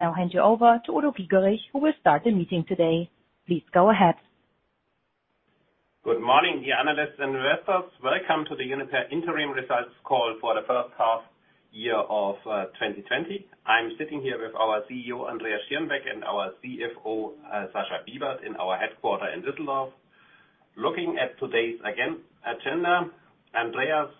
I'll hand you over to Udo Giegerich, who will start the meeting today. Please go ahead. Good morning, dear analysts and investors. Welcome to the Uniper interim results call for the first half year of 2020. I'm sitting here with our CEO, Andreas Schierenbeck, and our CFO, Sascha Bibert, in our headquarter in Düsseldorf. Looking at today's agenda, Andreas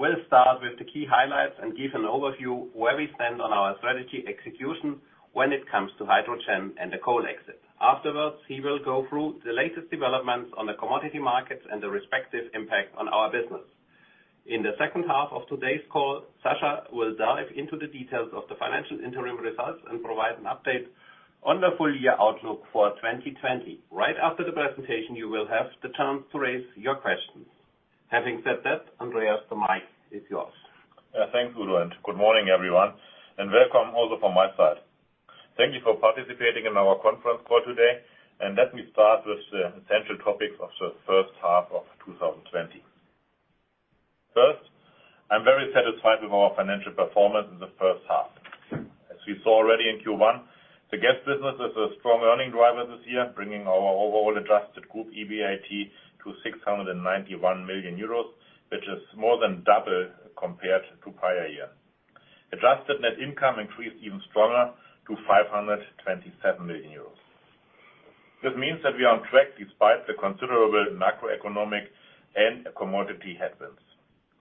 will start with the key highlights and give an overview where we stand on our strategy execution when it comes to hydrogen and the coal exit. Afterwards, he will go through the latest developments on the commodity markets and the respective impact on our business. In the second half of today's call, Sascha will dive into the details of the financial interim results and provide an update on the full-year outlook for 2020. Right after the presentation, you will have the chance to raise your questions. Having said that, Andreas, the mic is yours. Thanks, Udo. Good morning, everyone, welcome also from my side. Thank you for participating in our conference call today. Let me start with the central topics of the first half of 2020. First, I am very satisfied with our financial performance in the first half. As you saw already in Q1, the gas business is a strong earning driver this year, bringing our overall adjusted group EBIT to 691 million euros, which is more than double compared to prior year. Adjusted net income increased even stronger to 527 million euros. This means that we are on track despite the considerable macroeconomic and commodity headwinds.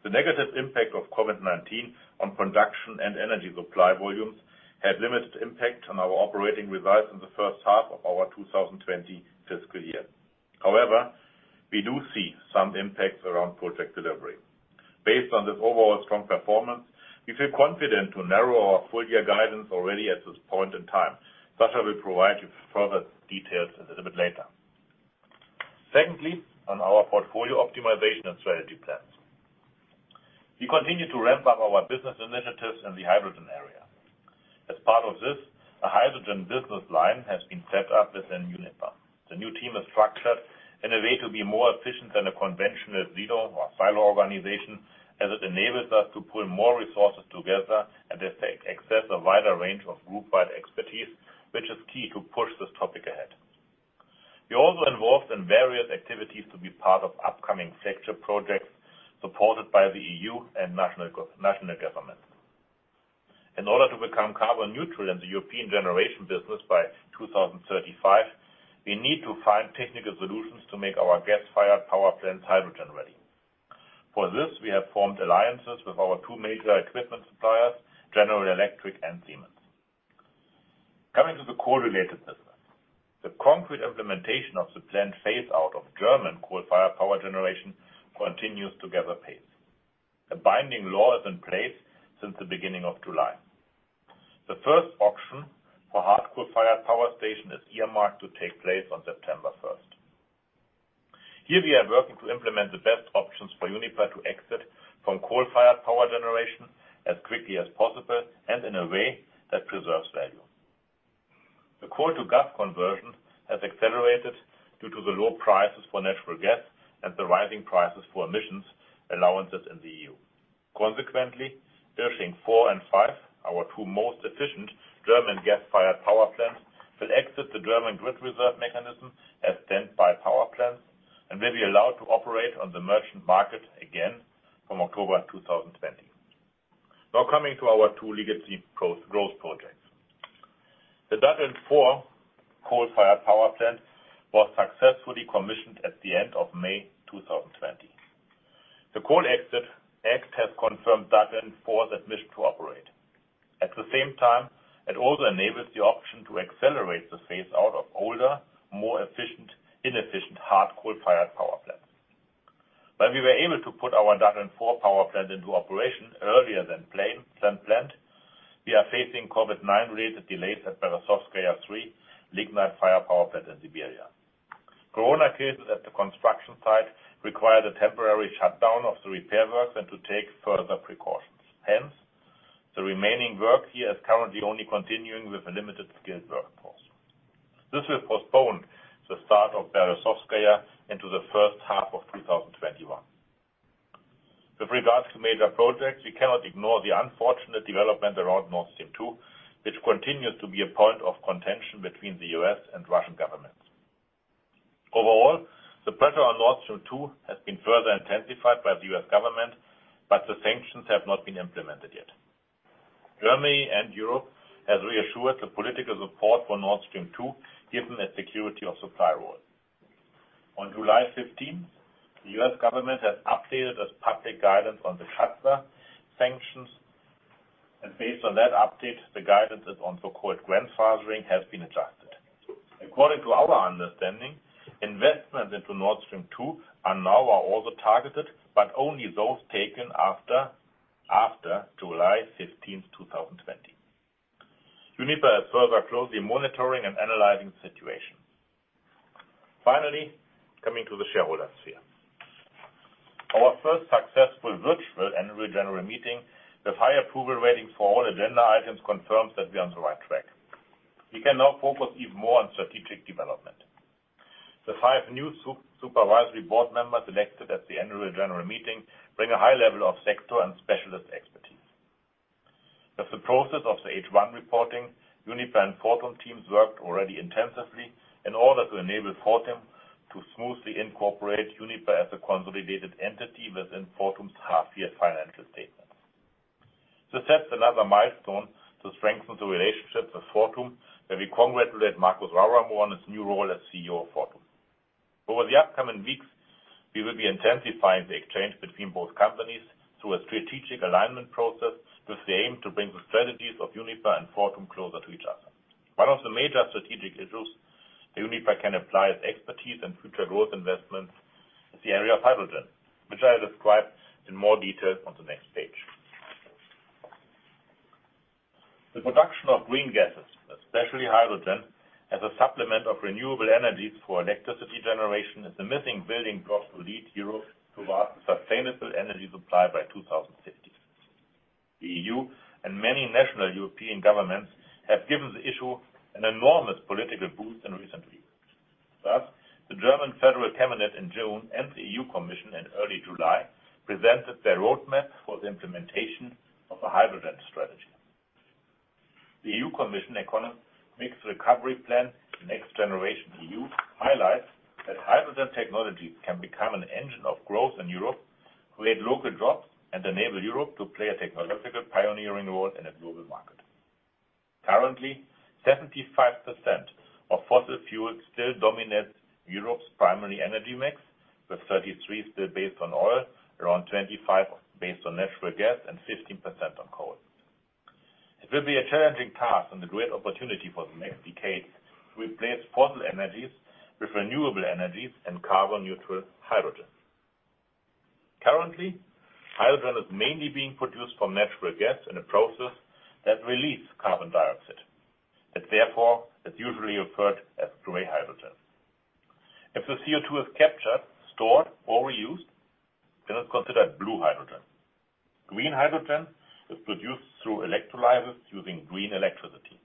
The negative impact of COVID-19 on production and energy supply volumes had limited impact on our operating results in the first half of our 2020 fiscal year. However, we do see some impacts around project delivery. Based on this overall strong performance, we feel confident to narrow our full-year guidance already at this point in time. Sascha will provide you further details a little bit later. On our portfolio optimization and strategy plans. We continue to ramp up our business initiatives in the hydrogen area. As part of this, a hydrogen business line has been set up within Uniper. The new team is structured in a way to be more efficient than a conventional linear or silo organization, as it enables us to pull more resources together and access a wider range of group-wide expertise, which is key to push this topic ahead. We are also involved in various activities to be part of upcoming sector projects supported by the EU and national governments. In order to become carbon neutral in the European generation business by 2035, we need to find technical solutions to make our gas-fired power plants hydrogen-ready. For this, we have formed alliances with our two major equipment suppliers, General Electric and Siemens. Coming to the core-related business. The concrete implementation of the planned phase-out of German coal-fired power generation continues to gather pace. A binding law is in place since the beginning of July. The first auction for hard coal-fired power station is earmarked to take place on September 1st. Here we are working to implement the best options for Uniper to exit from coal-fired power generation as quickly as possible and in a way that preserves value. The coal to gas conversion has accelerated due to the low prices for natural gas and the rising prices for emissions allowances in the EU. Irsching four and five, our two most efficient German gas-fired power plants, will exit the German grid reserve mechanism as standby power plants and will be allowed to operate on the merchant market again from October 2020. Now coming to our two legacy growth projects. The Datteln 4 coal-fired power plant was successfully commissioned at the end of May 2020. The Coal Exit Act has confirmed Datteln 4's admission to operate. At the same time, it also enables the option to accelerate the phase-out of older, more inefficient hard coal-fired power plants. When we were able to put our Datteln 4 power plant into operation earlier than planned, we are facing COVID-19-related delays at Berezovskaya 3, lignite-fired power plant in Siberia. Corona cases at the construction site required a temporary shutdown of the repair works and to take further precautions. Hence, the remaining work here is currently only continuing with a limited skilled workforce. This will postpone the start of Berezovskaya into the first half of 2021. With regards to major projects, we cannot ignore the unfortunate development around Nord Stream 2, which continues to be a point of contention between the U.S. and Russian governments. Overall, the pressure on Nord Stream 2 has been further intensified by the U.S. government, the sanctions have not been implemented yet. Germany and Europe has reassured the political support for Nord Stream 2, given a security of supply role. On July 15th, the U.S. government has updated its public guidance on the CAATSA sanctions and based on that update, the guidance on so-called grandfathering has been adjusted. According to our understanding, investments into Nord Stream 2 are now also targeted, but only those taken after July 15th, 2020. Uniper is further closely monitoring and analyzing the situation. Finally, coming to the shareholders sphere. Our first successful virtual Annual General Meeting with high approval ratings for all agenda items confirms that we are on the right track. We can now focus even more on strategic development. The five new supervisory board members elected at the Annual General Meeting bring a high level of sector and specialist expertise. With the process of the H1 reporting, Uniper and Fortum teams worked already intensively in order to enable Fortum to smoothly incorporate Uniper as a consolidated entity within Fortum's half-year financial statements. To set another milestone to strengthen the relationship with Fortum, may we congratulate Markus Rauramo on his new role as CEO of Fortum. Over the upcoming weeks, we will be intensifying the exchange between both companies through a strategic alignment process with the aim to bring the strategies of Uniper and Fortum closer to each other. One of the major strategic issues that Uniper can apply its expertise and future growth investments is the area of hydrogen, which I describe in more detail on the next page. The production of green gases, especially hydrogen, as a supplement of renewable energies for electricity generation, is the missing building block to lead Europe towards sustainable energy supply by 2050. The EU and many national European governments have given the issue an enormous political boost in recent years. The German Federal Cabinet in June and the EU Commission in early July presented their roadmap for the implementation of a hydrogen strategy. The EU Commission economic mixed recovery plan, the NextGenerationEU, highlights that hydrogen technology can become an engine of growth in Europe, create local jobs, and enable Europe to play a technological pioneering role in a global market. Currently, 75% of fossil fuels still dominate Europe's primary energy mix, with 33% still based on oil, around 25% based on natural gas, and 15% on coal. It will be a challenging task and a great opportunity for the next decade to replace fossil energies with renewable energies and carbon-neutral hydrogen. Currently, hydrogen is mainly being produced from natural gas in a process that releases carbon dioxide. It therefore is usually referred as gray hydrogen. If the CO2 is captured, stored, or reused, ten it's considered blue hydrogen. Green hydrogen is produced through electrolyzers using green electricity.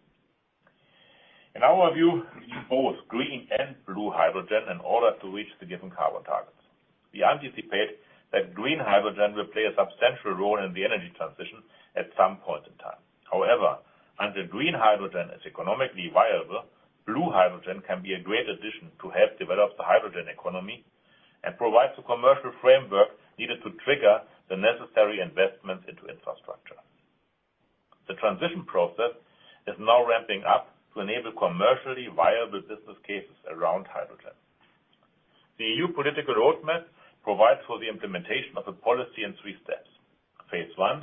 In our view, we need both green and blue hydrogen in order to reach the given carbon targets. We anticipate that green hydrogen will play a substantial role in the energy transition at some point in time. However, until green hydrogen is economically viable, blue hydrogen can be a great addition to help develop the hydrogen economy and provide the commercial framework needed to trigger the necessary investments into infrastructure. The transition process is now ramping up to enable commercially viable business cases around hydrogen. The EU political roadmap provides for the implementation of the policy in three steps. Phase I,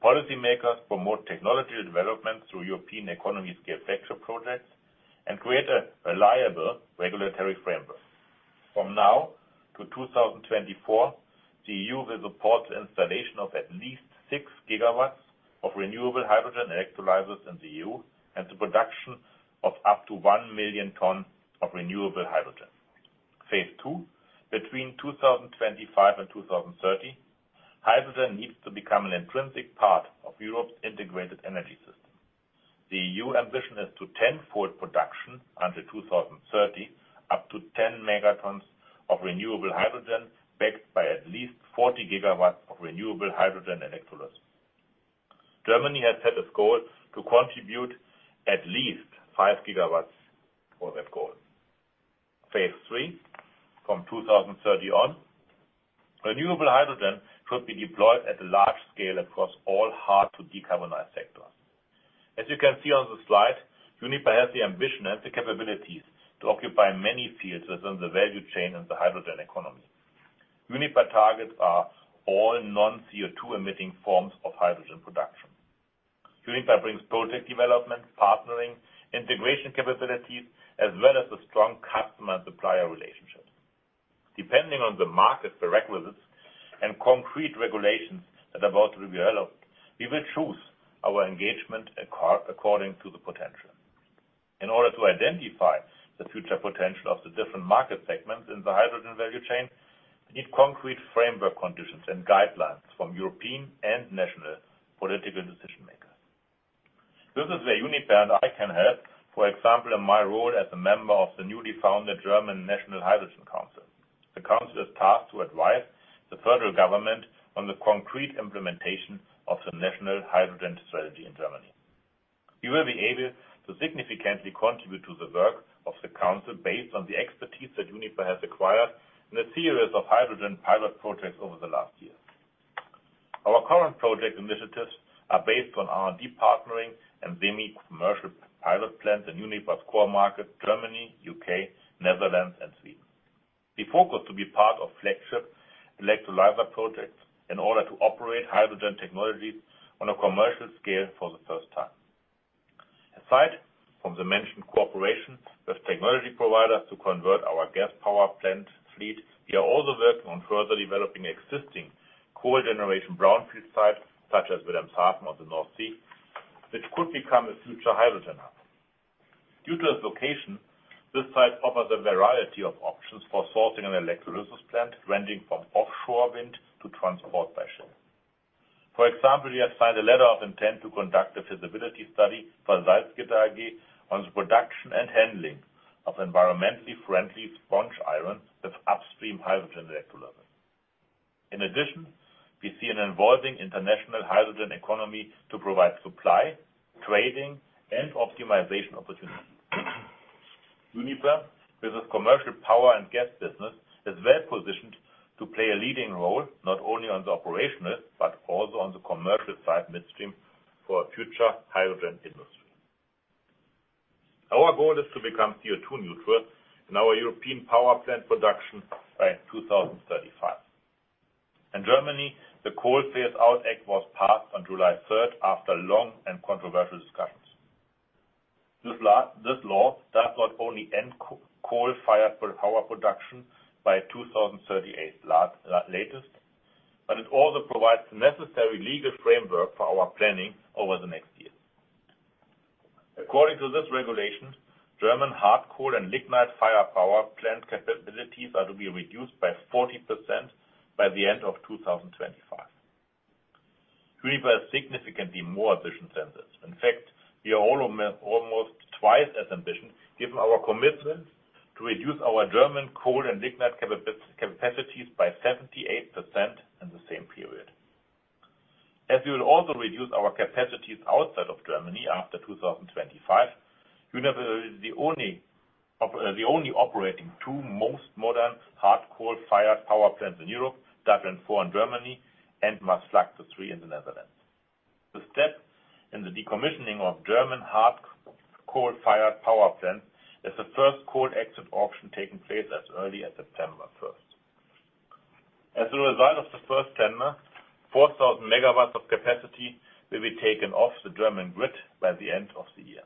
policymakers promote technology development through European economy scale flagship projects and create a reliable regulatory framework. From now to 2024, the EU will support the installation of at least 6 GW of renewable hydrogen electrolyzers in the EU and the production of up to 1 million tons of renewable hydrogen. Phase II, between 2025 and 2030, hydrogen needs to become an intrinsic part of Europe's integrated energy system. The EU ambition is to 10-fold production under 2030, up to 10 MT of renewable hydrogen, backed by at least 40 GW of renewable hydrogen electrolysis. Germany has set a goal to contribute at least 5 GW for that goal. Phase III, from 2030 on, renewable hydrogen should be deployed at a large scale across all hard-to-decarbonize sectors. As you can see on the slide, Uniper has the ambition and the capabilities to occupy many fields within the value chain in the hydrogen economy. Uniper targets are all non-CO2 emitting forms of hydrogen production. Uniper brings project development, partnering, integration capabilities, as well as a strong customer-supplier relationship. Depending on the market prerequisites and concrete regulations that are about to be developed, we will choose our engagement according to the potential. In order to identify the future potential of the different market segments in the hydrogen value chain, we need concrete framework conditions and guidelines from European and national political decision-makers. This is where Uniper and I can help, for example, in my role as a member of the newly founded German National Hydrogen Council. The council is tasked to advise the federal government on the concrete implementation of the national hydrogen strategy in Germany. We will be able to significantly contribute to the work of the council based on the expertise that Uniper has acquired in a series of hydrogen pilot projects over the last years. Our current project initiatives are based on R&D partnering and demi-commercial pilot plants in Uniper's core market, Germany, U.K., Netherlands, and Sweden. We focus to be part of flagship electrolyzer projects in order to operate hydrogen technologies on a commercial scale for the first time. Aside from the mentioned cooperation with technology providers to convert our gas power plant fleet, we are also working on further developing existing cogeneration brownfield sites, such as Wilhelmshaven on the North Sea, which could become a future hydrogen hub. Due to its location, this site offers a variety of options for sourcing an electrolysis plant, ranging from offshore wind to transport by ship. For example, we have signed a letter of intent to conduct a feasibility study for Salzgitter AG on the production and handling of environmentally friendly sponge iron with upstream hydrogen electrolysis. In addition, we see an evolving international hydrogen economy to provide supply, trading, and optimization opportunities. Uniper, with its commercial power and gas business, is well-positioned to play a leading role not only on the operational but also on the commercial side midstream for a future hydrogen industry. Our goal is to become CO2 neutral in our European power plant production by 2035. In Germany, the Coal Phase-Out Act was passed on July 3rd after long and controversial discussions. This law does not only end coal-fired power production by 2038 latest, but it also provides the necessary legal framework for our planning over the next years. According to this regulation, German hard coal and lignite-fired power plant capabilities are to be reduced by 40% by the end of 2025. Uniper is significantly more ambitious than this. In fact, we are almost twice as ambitious, given our commitment to reduce our German coal and lignite capacities by 78% in the same period. As we will also reduce our capacities outside of Germany after 2025, Uniper is the only operating two most modern hard coal-fired power plants in Europe, Datteln 4 in Germany and Maasvlakte 3 in the Netherlands. The step in the decommissioning of German hard coal-fired power plants is the first coal exit auction taking place as early as September 1st. As a result of the first tender, 4,000 MW of capacity will be taken off the German grid by the end of the year.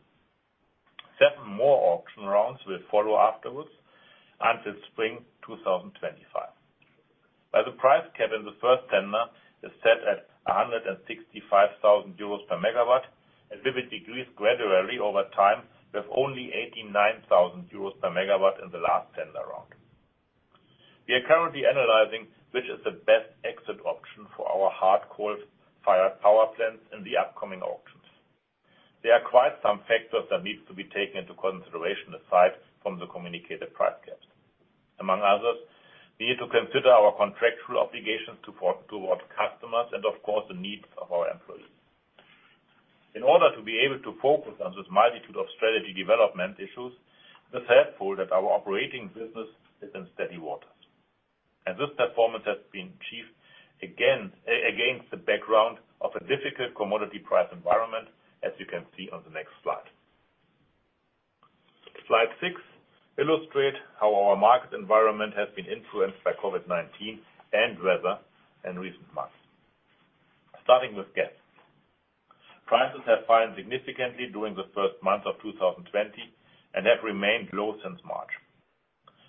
seven more auction rounds will follow afterwards until spring 2025. While the price cap in the first tender is set at 165,000 euros per MW, it will be decreased gradually over time, with only 89,000 euros per megawatts in the last tender round. We are currently analyzing which is the best exit option for our hard coal-fired power plants in the upcoming auctions. There are quite some factors that need to be taken into consideration aside from the communicated price caps. Among others, we need to consider our contractual obligations towards customers and, of course, the needs of our employees. In order to be able to focus on this multitude of strategy development issues, it is helpful that our operating business is in steady waters, and this performance has been achieved against the background of a difficult commodity price environment, as you can see on the next slide. Slide six illustrates how our market environment has been influenced by COVID-19 and weather in recent months. Starting with gas. Prices have fallen significantly during the first months of 2020 and have remained low since March.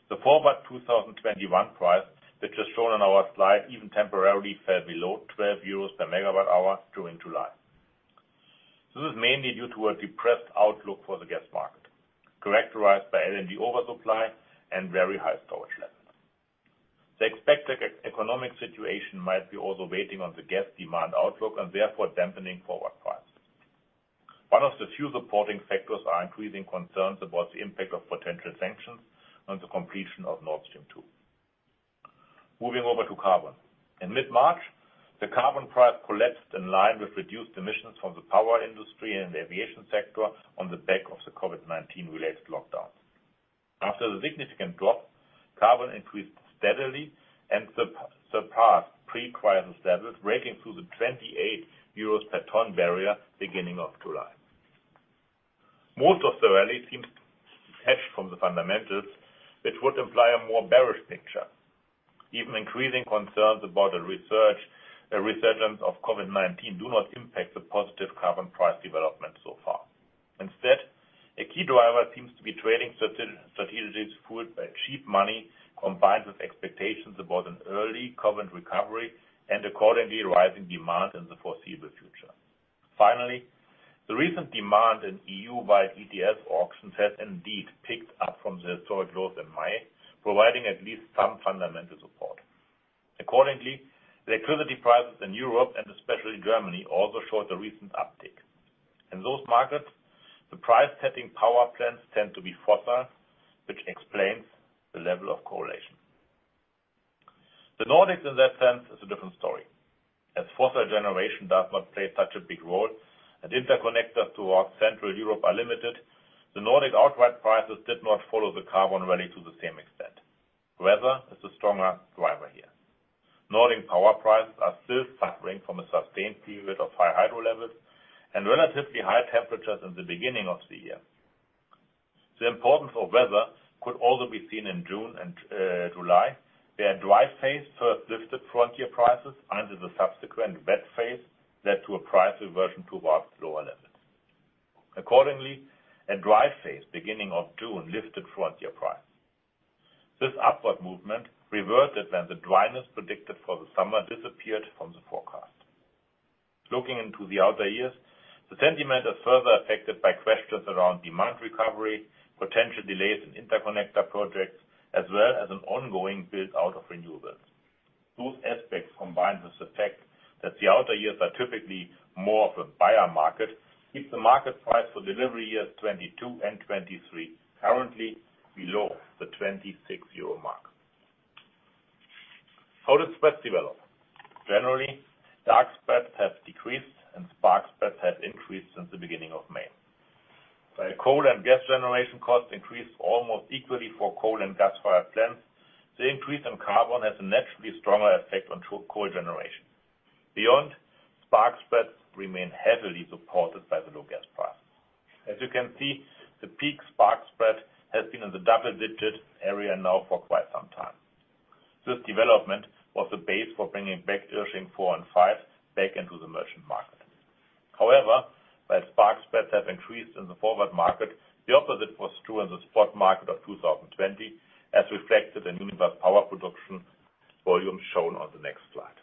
The forward 2021 price, which is shown on our slide, even temporarily fell below 12 euros per megawatt-hour during July. This is mainly due to a depressed outlook for the gas market, characterized by LNG oversupply and very high storage levels. The expected economic situation might be also weighing on the gas demand outlook and therefore dampening forward prices. One of the few supporting factors are increasing concerns about the impact of potential sanctions on the completion of Nord Stream 2. Moving over to carbon. In mid-March, the carbon price collapsed in line with reduced emissions from the power industry and the aviation sector on the back of the COVID-19-related lockdowns. After the significant drop, carbon increased steadily and surpassed pre-crisis levels, breaking through the 28 euros per tonne barrier beginning of July. Most of the rally seems detached from the fundamentals, which would imply a more bearish picture. Even increasing concerns about a resurgence of COVID-19 do not impact the positive carbon price development so far. Instead, a key driver seems to be trading strategies fueled by cheap money, combined with expectations about an early COVID recovery and accordingly rising demand in the foreseeable future. Finally, the recent demand in EU-wide ETS auctions has indeed picked up from the historic lows in May, providing at least some fundamental support. Accordingly, electricity prices in Europe, and especially Germany, also showed a recent uptick. In those markets, the price-setting power plants tend to be fossil, which explains the level of correlation. The Nordics in that sense is a different story. As fossil generation does not play such a big role and interconnectors towards Central Europe are limited, the Nordic outright prices did not follow the carbon rally to the same extent. Weather is a stronger driver here. Nordic power prices are still suffering from a sustained period of high hydro levels and relatively high temperatures in the beginning of the year. The importance of weather could also be seen in June and July, where a dry phase first lifted frontier prices, and the subsequent wet phase led to a price reversion towards lower levels. Accordingly, a dry phase beginning of June lifted frontier prices. This upward movement reverted when the dryness predicted for the summer disappeared from the forecast. Looking into the outer years, the sentiment is further affected by questions around demand recovery, potential delays in interconnector projects, as well as an ongoing build-out of renewables. Those aspects combined with the fact that the outer years are typically more of a buyer market, keeps the market price for delivery years 2022 and 2023 currently below the 26 euro mark. How does spread develop? Generally, dark spreads have decreased and spark spreads have increased since the beginning of May. While coal and gas generation costs increased almost equally for coal and gas-fired plants, the increase in carbon has a naturally stronger effect on coal generation. Beyond, spark spreads remain heavily supported by the low gas price. As you can see, the peak spark spread has been in the double-digit area now for quite some time. This development was the base for bringing back Irsching 4 and 5 back into the merchant market. While spark spreads have increased in the forward market, the opposite was true in the spot market of 2020, as reflected in Uniper power production volume shown on the next slide.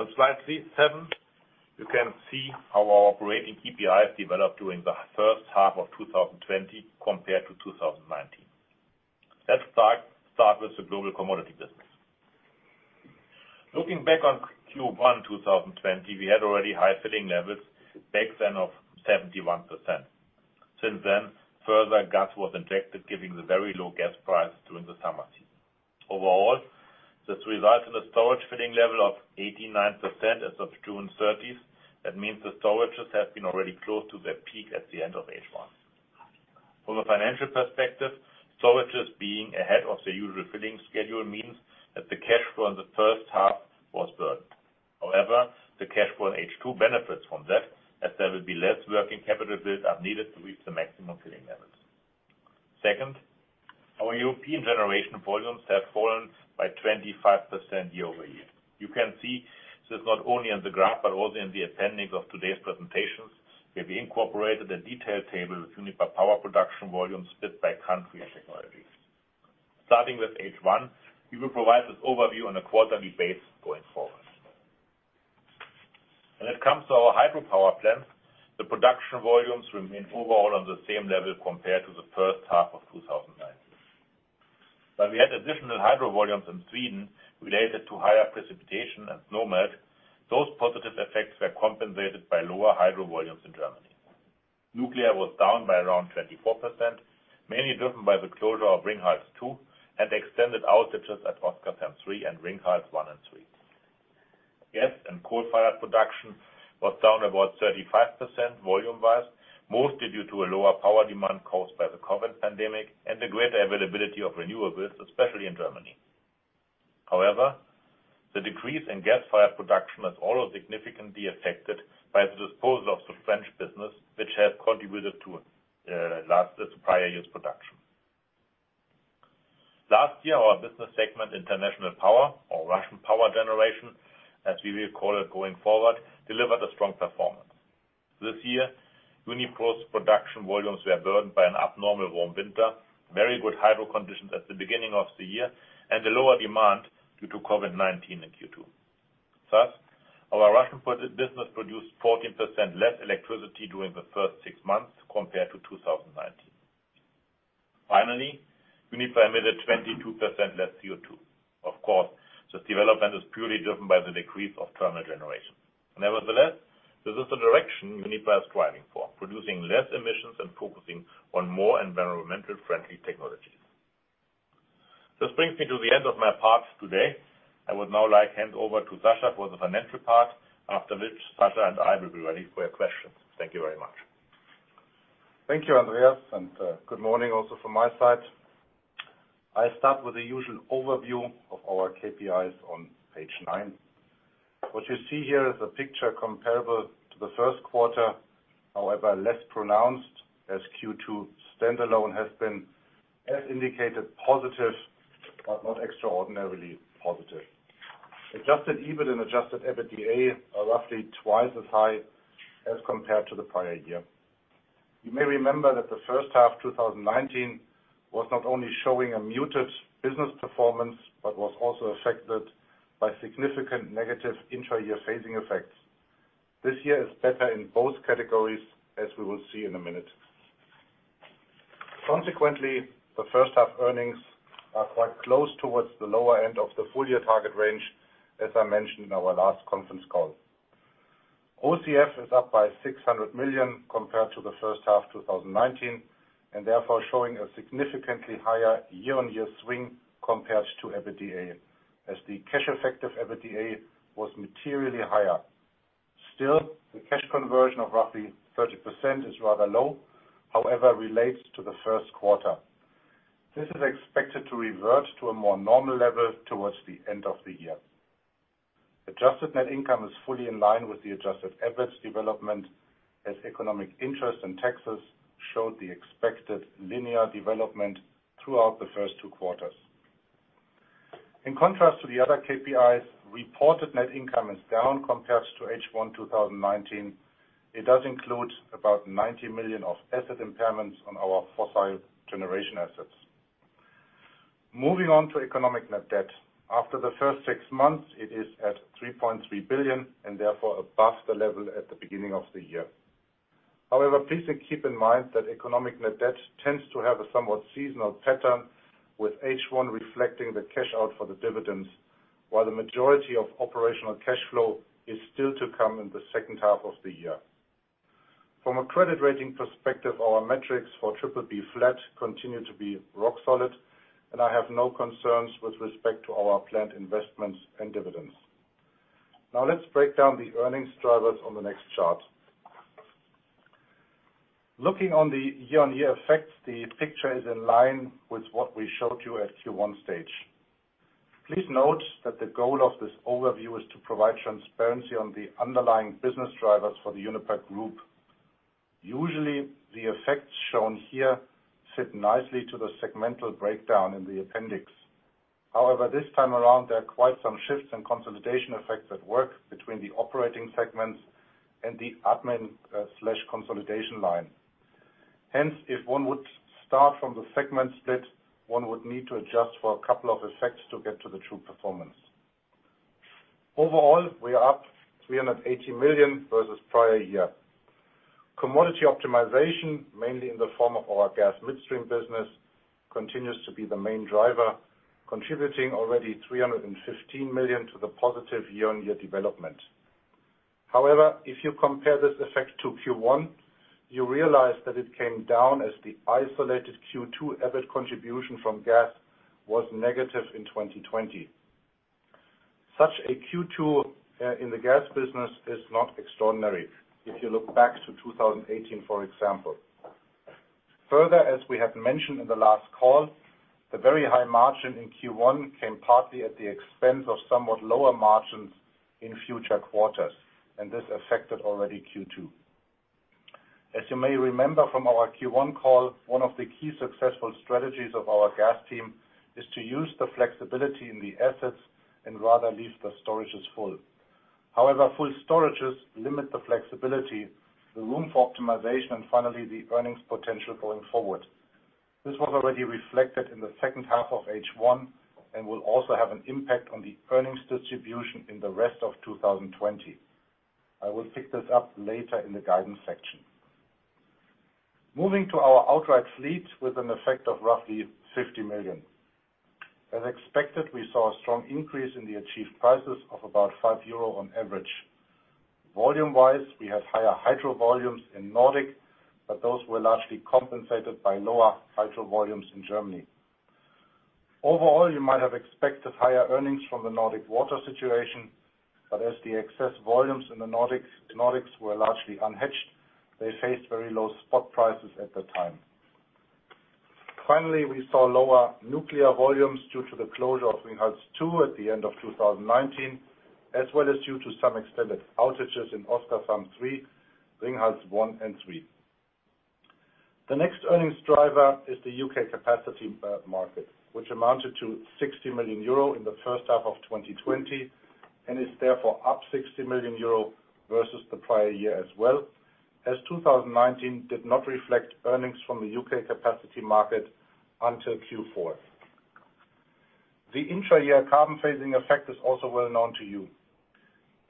On slide seven, you can see how our operating KPIs developed during the first half of 2020 compared to 2019. Let's start with the global commodity business. Looking back on Q1 2020, we had already high filling levels back then of 71%. Since then, further gas was injected, giving the very low gas price during the summer season. Overall, this results in a storage filling level of 89% as of June 30th. That means the storages have been already close to their peak at the end of H1. From a financial perspective, storages being ahead of the usual filling schedule means that the cash flow in the first half was burned. The cash flow in H2 benefits from that, as there will be less working capital build-up needed to reach the maximum filling levels. Second, our European generation volumes have fallen by 25% year-over-year. You can see this not only on the graph, but also in the appendix of today's presentations, where we incorporated a detailed table with Uniper Power production volumes split by country and technologies. Starting with H1, we will provide this overview on a quarterly basis going forward. When it comes to our hydropower plants, the production volumes remain overall on the same level compared to the first half of 2019. While we had additional hydro volumes in Sweden related to higher precipitation and snow melt, those positive effects were compensated by lower hydro volumes in Germany. Nuclear was down by around 24%, mainly driven by the closure of Ringhals 2 and the extended outages at Oskarshamn 3 and Ringhals 1 and 3. Gas and coal-fired production was down about 35% volume-wise, mostly due to a lower power demand caused by the COVID-19 pandemic and the greater availability of renewables, especially in Germany. The decrease in gas-fired production is also significantly affected by the disposal of the French business, which has contributed to last year's production. Last year, our business segment, International Power, or Russian Power Generation, as we will call it going forward, delivered a strong performance. This year, Uniper's production volumes were burdened by an abnormal warm winter, very good hydro conditions at the beginning of the year, and a lower demand due to COVID-19 in Q2. Thus, our Russian business produced 14% less electricity during the first six months compared to 2019. Finally, Uniper emitted 22% less CO2. Of course, this development is purely driven by the decrease of thermal generation. Nevertheless, this is the direction Uniper is striving for, producing less emissions and focusing on more environmental-friendly technologies. This brings me to the end of my part today. I would now like hand over to Sascha for the financial part, after which Sascha and I will be ready for your questions. Thank you very much. Thank you, Andreas, and good morning also from my side. I start with the usual overview of our KPIs on page nine. What you see here is a picture comparable to the first quarter. However, less pronounced, as Q2 standalone has been, as indicated, positive, but not extraordinarily positive. Adjusted EBIT and adjusted EBITDA are roughly twice as high as compared to the prior year. You may remember that the first half 2019 was not only showing a muted business performance, but was also affected by significant negative intra-year phasing effects. This year is better in both categories, as we will see in a minute. Consequently, the first half earnings are quite close towards the lower end of the full-year target range, as I mentioned in our last conference call. OCF is up by 600 million compared to the first half 2019, therefore showing a significantly higher year-on-year swing compared to EBITDA, as the cash effect of EBITDA was materially higher. Still, the cash conversion of roughly 30% is rather low, however, relates to the first quarter. This is expected to revert to a more normal level towards the end of the year. Adjusted net income is fully in line with the adjusted EBIT development, as economic interest in taxes showed the expected linear development throughout the first two quarters. In contrast to the other KPIs, reported net income is down compared to H1 2019. It does include about 90 million of asset impairments on our fossil generation assets. Moving on to economic net debt. After the first six months, it is at 3.3 billion, and therefore above the level at the beginning of the year. Please keep in mind that economic net debt tends to have a somewhat seasonal pattern, with H1 reflecting the cash-out for the dividends, while the majority of operational cash flow is still to come in the second half of the year. From a credit rating perspective, our metrics for triple B flat continue to be rock solid, and I have no concerns with respect to our planned investments and dividends. Let's break down the earnings drivers on the next chart. Looking on the year-on-year effects, the picture is in line with what we showed you at Q1 stage. Please note that the goal of this overview is to provide transparency on the underlying business drivers for the Uniper group. Usually, the effects shown here fit nicely to the segmental breakdown in the appendix. However, this time around, there are quite some shifts in consolidation effects at work between the operating segments and the admin/consolidation line. Hence, if one would start from the segment split, one would need to adjust for a couple of effects to get to the true performance. Overall, we are up 380 million versus prior year. Commodity optimization, mainly in the form of our gas midstream business, continues to be the main driver, contributing already 315 million to the positive year-on-year development. However, if you compare this effect to Q1, you realize that it came down as the isolated Q2 EBIT contribution from gas was negative in 2020. Such a Q2 in the gas business is not extraordinary if you look back to 2018, for example. As we have mentioned in the last call, the very high margin in Q1 came partly at the expense of somewhat lower margins in future quarters, and this affected already Q2. As you may remember from our Q1 call, one of the key successful strategies of our gas team is to use the flexibility in the assets and rather leave the storages full. Full storages limit the flexibility, the room for optimization, and finally, the earnings potential going forward. This was already reflected in the second half of H1 and will also have an impact on the earnings distribution in the rest of 2020. I will pick this up later in the guidance section. Moving to our outright fleet with an effect of roughly 50 million. As expected, we saw a strong increase in the achieved prices of about 5 euro on average. Volume-wise, we had higher hydro volumes in Nordic, but those were largely compensated by lower hydro volumes in Germany. Overall, you might have expected higher earnings from the Nordic water situation, but as the excess volumes in the Nordics were largely unhedged, they faced very low spot prices at the time. Finally, we saw lower nuclear volumes due to the closure of Ringhals 2 at the end of 2019, as well as due to some extended outages in Oskarshamn 3, Ringhals 1 and 3. The next earnings driver is the U.K. capacity market, which amounted to 60 million euro in the first half of 2020, and is therefore up 60 million euro versus the prior year as well, as 2019 did not reflect earnings from the U.K. capacity market until Q4. The intra-year carbon phasing effect is also well known to you.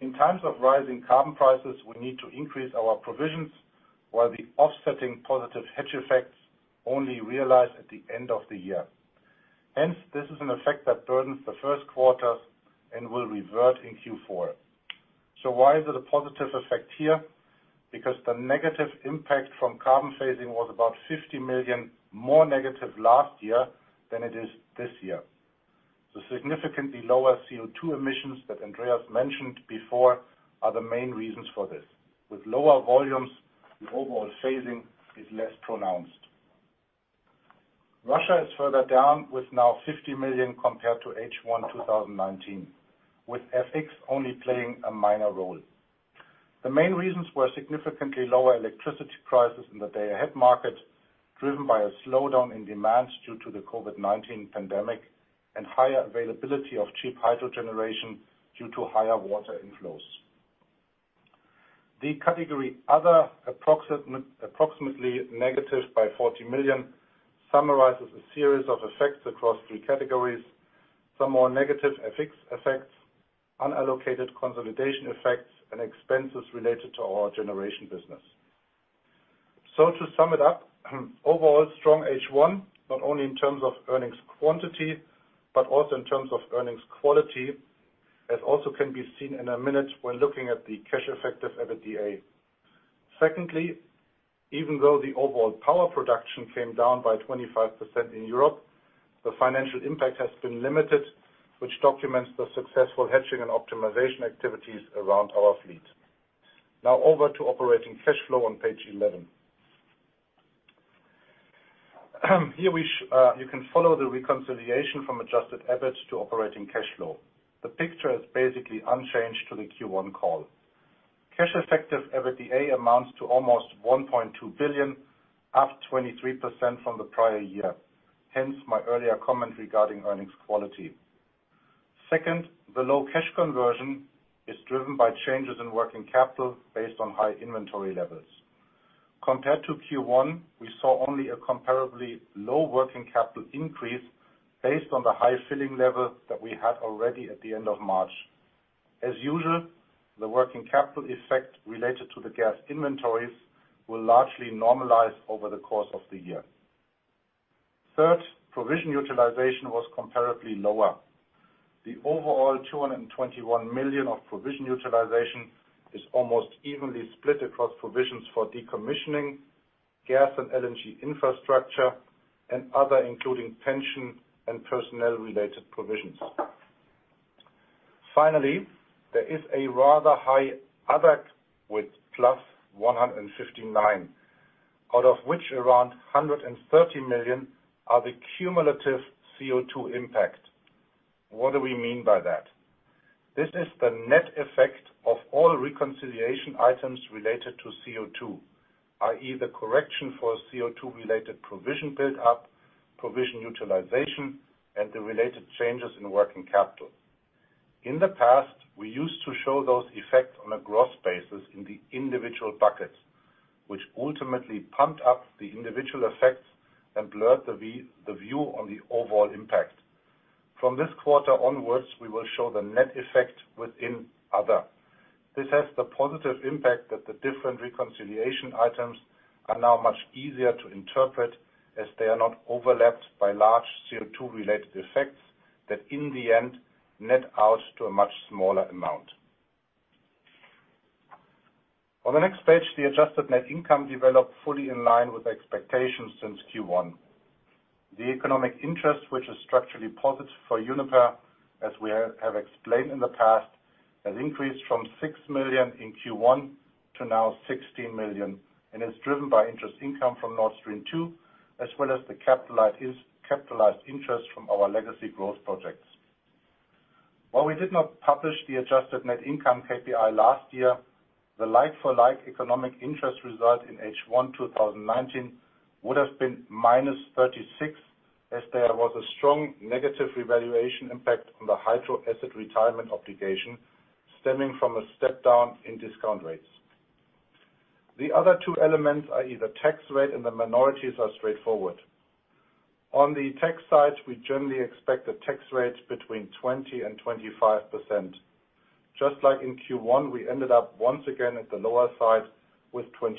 In times of rising carbon prices, we need to increase our provisions, while the offsetting positive hedge effects only realize at the end of the year. This is an effect that burdens the first quarter and will revert in Q4. Why is it a positive effect here? Because the negative impact from carbon phasing was about 50 million more negative last year than it is this year. The significantly lower CO2 emissions that Andreas mentioned before are the main reasons for this. With lower volumes, the overall phasing is less pronounced. Russia is further down with now 50 million compared to H1 2019, with FX only playing a minor role. The main reasons were significantly lower electricity prices in the day-ahead market, driven by a slowdown in demands due to the COVID-19 pandemic and higher availability of cheap hydro generation due to higher water inflows. The category Other, approximately negative by 40 million, summarizes a series of effects across three categories. Some more negative FX effects, unallocated consolidation effects, and expenses related to our generation business. To sum it up, overall strong H1, not only in terms of earnings quantity, but also in terms of earnings quality, as also can be seen in one minute when looking at the cash effect of EBITDA. Secondly, even though the overall power production came down by 25% in Europe, the financial impact has been limited, which documents the successful hedging and optimization activities around our fleet. Over to operating cash flow on page 11. Here you can follow the reconciliation from adjusted EBIT to operating cash flow. The picture is basically unchanged to the Q1 call. Cash effect of EBITDA amounts to almost 1.2 billion, up 23% from the prior year. Hence, my earlier comment regarding earnings quality. Second, the low cash conversion is driven by changes in working capital based on high inventory levels. Compared to Q1, we saw only a comparably low working capital increase based on the high filling levels that we had already at the end of March. As usual, the working capital effect related to the gas inventories will largely normalize over the course of the year. Third, provision utilization was comparatively lower. The overall 221 million of provision utilization is almost evenly split across provisions for decommissioning, gas and LNG infrastructure, and other, including pension and personnel-related provisions. Finally, there is a rather high other with +159, out of which around 130 million are the cumulative CO2 impact. What do we mean by that? This is the net effect of all reconciliation items related to CO2, i.e., the correction for CO2-related provision build-up, provision utilization, and the related changes in working capital. In the past, we used to show those effects on a gross basis in the individual buckets, which ultimately pumped up the individual effects and blurred the view on the overall impact. From this quarter onwards, we will show the net effect within other. This has the positive impact that the different reconciliation items are now much easier to interpret as they are not overlapped by large CO2-related effects that in the end net out to a much smaller amount. On the next page, the adjusted net income developed fully in line with expectations since Q1. The economic interest, which is structurally positive for Uniper, as we have explained in the past, has increased from 6 million in Q1 to now 16 million and is driven by interest income from Nord Stream 2, as well as the capitalized interest from our legacy growth projects. While we did not publish the adjusted net income KPI last year, the like-for-like economic interest result in H1 2019 would have been -36, as there was a strong negative revaluation impact on the hydro asset retirement obligation stemming from a step down in discount rates. The other two elements, i.e., the tax rate and the minorities are straightforward. On the tax side, we generally expect the tax rates between 20% and 25%. Just like in Q1, we ended up once again at the lower side with 22%.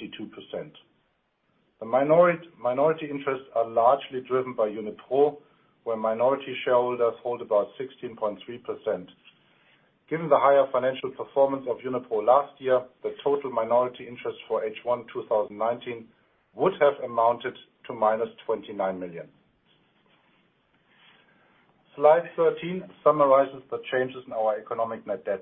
The minority interests are largely driven by Uniper, where minority shareholders hold about 16.3%. Given the higher financial performance of Uniper last year, the total minority interest for H1 2019 would have amounted to -29 million. Slide 13 summarizes the changes in our economic net debt.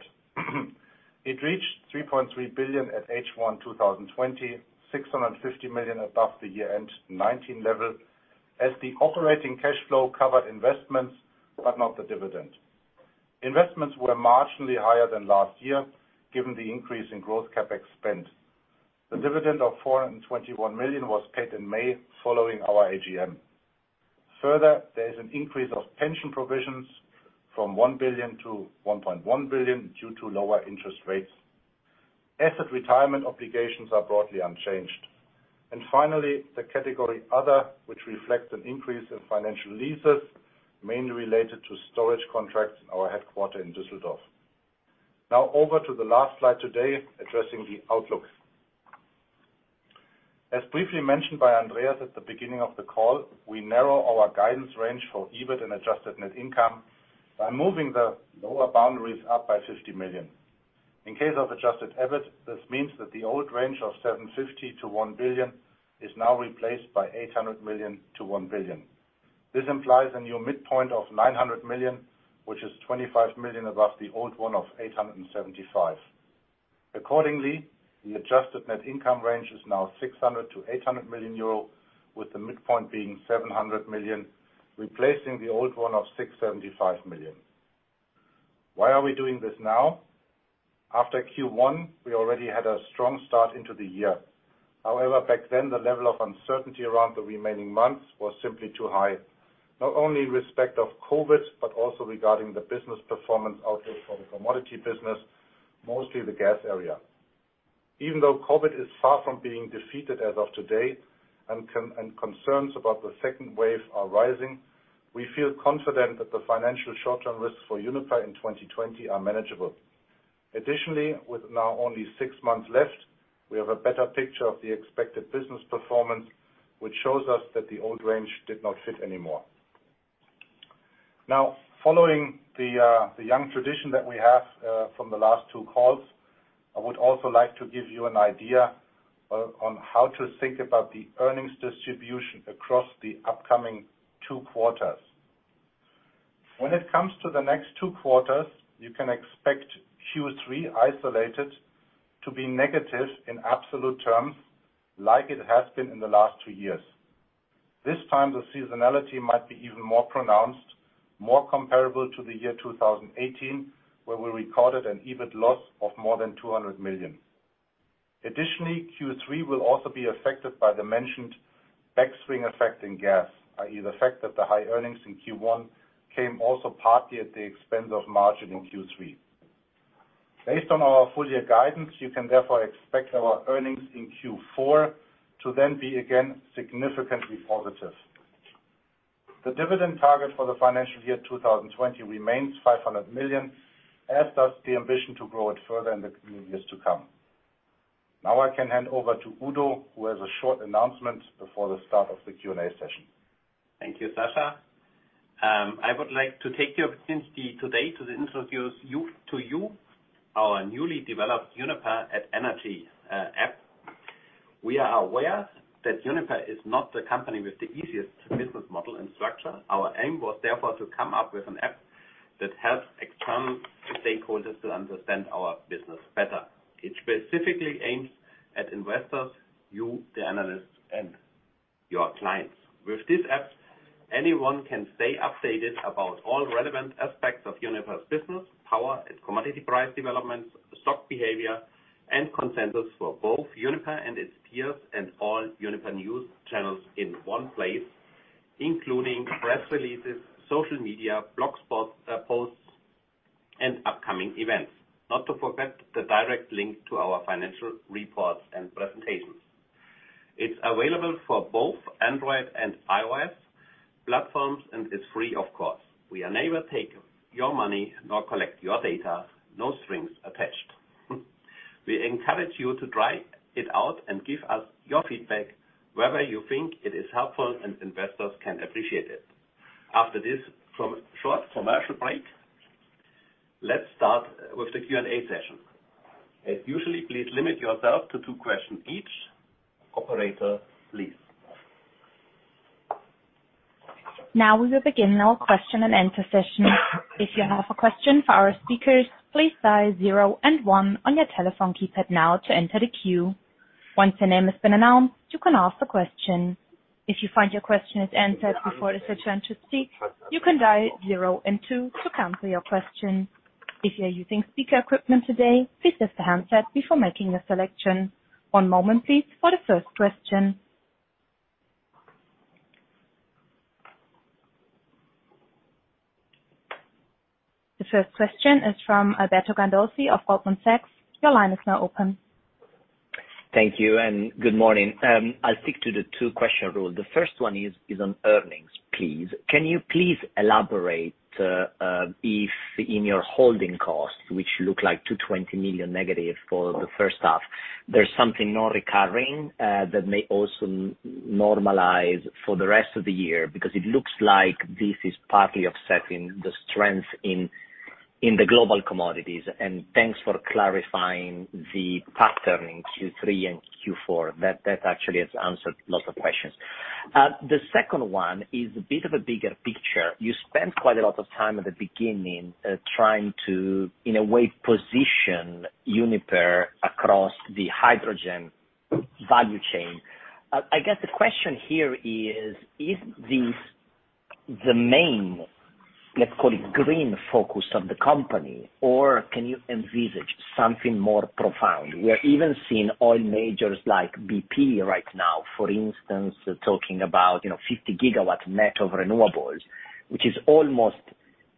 It reached 3.3 billion at H1 2020, 650 million above the year-end 2019 level as the operating cash flow covered investments but not the dividend. Investments were marginally higher than last year, given the increase in growth CapEx spend. The dividend of 421 million was paid in May following our AGM. There is an increase of pension provisions from 1 billion to 1.1 billion due to lower interest rates. Asset retirement obligations are broadly unchanged. Finally, the category other, which reflects an increase in financial leases mainly related to storage contracts in our headquarter in Düsseldorf. Over to the last slide today addressing the outlook. As briefly mentioned by Andreas at the beginning of the call, we narrow our guidance range for EBIT and adjusted net income by moving the lower boundaries up by 50 million. In case of adjusted EBIT, this means that the old range of 750 million-1 billion is now replaced by 800 million-1 billion. This implies a new midpoint of 900 million, which is 25 million above the old one of 875 million. Accordingly, the adjusted net income range is now 600 million-800 million euro, with the midpoint being 700 million, replacing the old one of 675 million. Why are we doing this now? After Q1, we already had a strong start into the year. Back then, the level of uncertainty around the remaining months was simply too high. Not only in respect of COVID, but also regarding the business performance outlook for the commodity business, mostly the gas area. COVID is far from being defeated as of today and concerns about the second wave are rising, we feel confident that the financial short-term risks for Uniper in 2020 are manageable. Additionally, with now only six months left, we have a better picture of the expected business performance, which shows us that the old range did not fit anymore. Following the young tradition that we have from the last two calls, I would also like to give you an idea on how to think about the earnings distribution across the upcoming two quarters. When it comes to the next two quarters, you can expect Q3 isolated to be negative in absolute terms like it has been in the last two years. This time, the seasonality might be even more pronounced, more comparable to the year 2018, where we recorded an EBIT loss of more than 200 million. Additionally, Q3 will also be affected by the mentioned backswing effect in gas, i.e., the fact that the high earnings in Q1 came also partly at the expense of margin in Q3. Based on our full-year guidance, you can therefore expect our earnings in Q4 to then be again significantly positive. The dividend target for the financial year 2020 remains 500 million, as does the ambition to grow it further in the years to come. I can hand over to Udo, who has a short announcement before the start of the Q&A session. Thank you, Sascha. I would like to take the opportunity today to introduce to you our newly developed Energy.Uniper app. We are aware that Uniper is not the company with the easiest business model and structure. Our aim was therefore to come up with an app that helps external stakeholders to understand our business better. It specifically aims at investors, you, the analysts, and your clients. With this app, anyone can stay updated about all relevant aspects of Uniper's business, power and commodity price developments, stock behavior, and consensus for both Uniper and its peers, and all Uniper news channels in one place, including press releases, social media, blog posts, and upcoming events. Not to forget the direct link to our financial reports and presentations. It's available for both Android and iOS platforms and is free of cost. We are neither taking your money nor collect your data. No strings attached. We encourage you to try it out and give us your feedback whether you think it is helpful, and investors can appreciate it. After this short commercial break, let's start with the Q&A session. As usual, please limit yourself to two questions each. Operator, please. The first question is from Alberto Gandolfi of Goldman Sachs. Your line is now open. Thank you and good morning. I'll stick to the two-question rule. The first one is on earnings, please. Can you please elaborate if in your holding costs, which look like 220 million negative for the first half, there's something not recurring that may also normalize for the rest of the year? It looks like this is partly offsetting the strength in the global commodities. Thanks for clarifying the pattern in Q3 and Q4. That actually has answered lots of questions. The second one is a bit of a bigger picture. You spent quite a lot of time at the beginning trying to, in a way, position Uniper across the hydrogen value chain. I guess the question here is this the main, let's call it, green focus of the company, or can you envisage something more profound? We're even seeing oil majors like BP right now, for instance, talking about 50 GW net of renewables, which is almost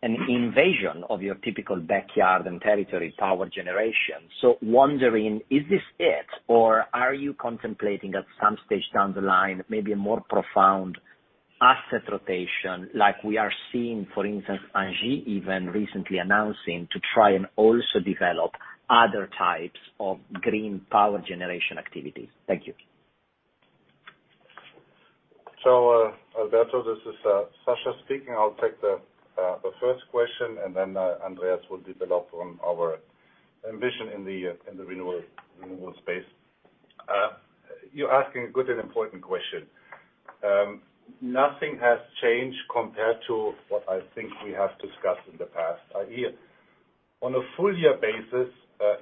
an invasion of your typical backyard and territory power generation. Wondering, is this it? Are you contemplating at some stage down the line, maybe a more profound asset rotation like we are seeing, for instance, Engie even recently announcing to try and also develop other types of green power generation activities. Thank you. Alberto, this is Sascha speaking. I'll take the first question, and then Andreas will develop on our ambition in the renewable space. You're asking a good and important question. Nothing has changed compared to what I think we have discussed in the past. On a full year basis,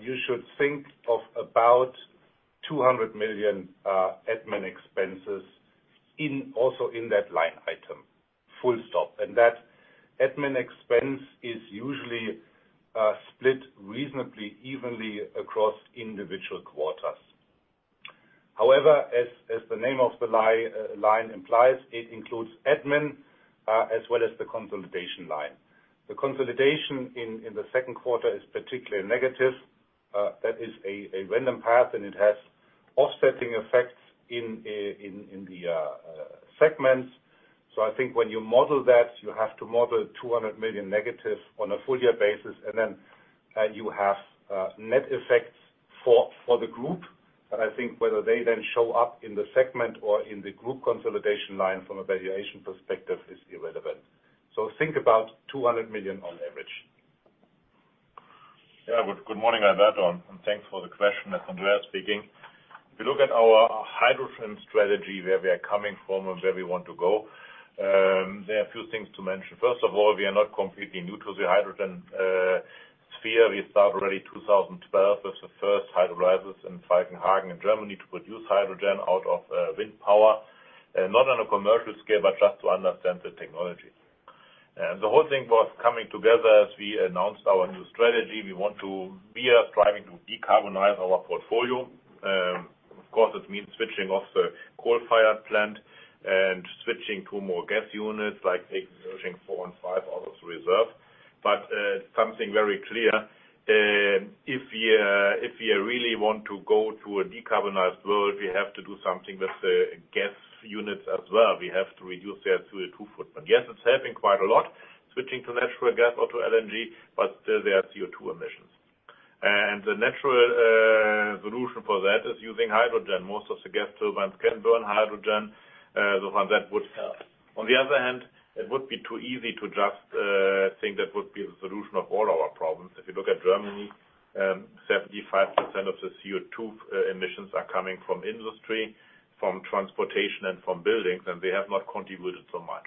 you should think of about 200 million admin expenses also in that line item. Full stop. That admin expense is usually split reasonably evenly across individual quarters. However, as the name of the line implies, it includes admin as well as the consolidation line. The consolidation in the second quarter is particularly negative. That is a random path, and it has offsetting effects in the segments. I think when you model that, you have to model 200 million negative on a full year basis, and then you have net effects for the group. I think whether they then show up in the segment or in the group consolidation line from a valuation perspective is irrelevant. Think about 200 million on average. Good morning, Alberto, thanks for the question. It's Andreas speaking. If you look at our hydrogen strategy, where we are coming from and where we want to go, there are a few things to mention. First of all, we are not completely new to the hydrogen sphere. We started already 2012 with the first electrolyzers in Falkenhagen in Germany to produce hydrogen out of wind power. Not on a commercial scale, but just to understand the technology. The whole thing was coming together as we announced our new strategy. We are striving to decarbonize our portfolio. Of course, it means switching off the coal-fired plant and switching to more gas units like Irsching 4 and 5 out of reserve. Something very clear, if we really want to go to a decarbonized world, we have to do something with the gas units as well. We have to reduce their CO2 footprint. Yes, it's helping quite a lot switching to natural gas or to LNG, but still there are CO2 emissions. The natural solution for that is using hydrogen. Most of the gas turbines can burn hydrogen. That would help. On the other hand, it would be too easy to just think that would be the solution of all our problems. If you look at Germany, 75% of the CO2 emissions are coming from industry, from transportation, and from buildings, and they have not contributed so much.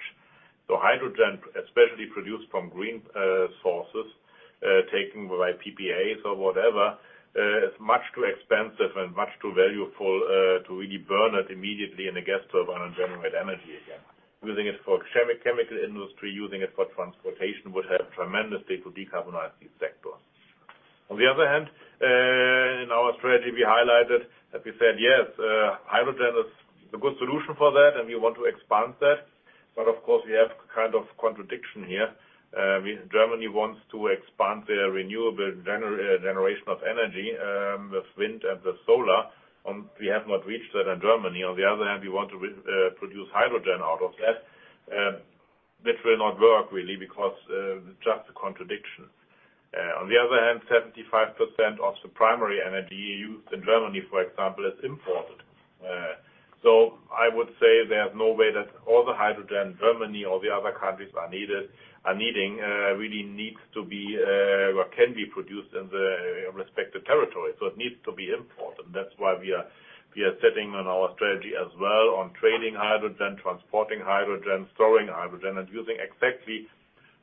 Hydrogen, especially produced from green sources, taken by PPAs or whatever, is much too expensive and much too valuable to really burn it immediately in a gas turbine and generate energy again. Using it for chemical industry, using it for transportation would help tremendously to decarbonize these sectors. On the other hand, in our strategy, we highlighted that we said, yes, hydrogen is a good solution for that, and we want to expand that. Of course, we have kind of contradiction here. Germany wants to expand their renewable generation of energy with wind and with solar, and we have not reached that in Germany. On the other hand, we want to produce hydrogen out of that. This will not work really because just the contradictions. On the other hand, 75% of the primary energy used in Germany, for example, is imported. I would say there's no way that all the hydrogen Germany or the other countries are needing really needs to be or can be produced in the respective territory. It needs to be important. That's why we are setting on our strategy as well on trading hydrogen, transporting hydrogen, storing hydrogen, and using exactly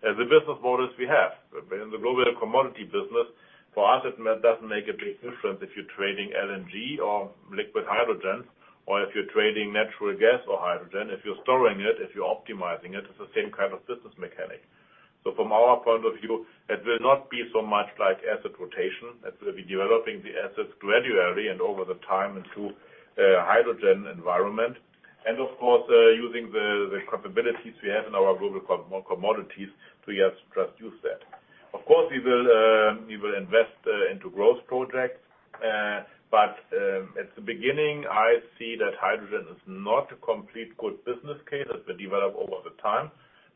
the business models we have. In the global commodity business, for us, it doesn't make a big difference if you're trading LNG or liquid hydrogen or if you're trading natural gas or hydrogen. If you're storing it, if you're optimizing it's the same kind of business mechanic. From our point of view, it will not be so much like asset rotation. It will be developing the assets gradually and over the time into a hydrogen environment. Of course, using the capabilities we have in our global commodities to just use that. Of course, we will invest into growth projects. At the beginning, I see that hydrogen is not a complete good business case. It will develop over the time.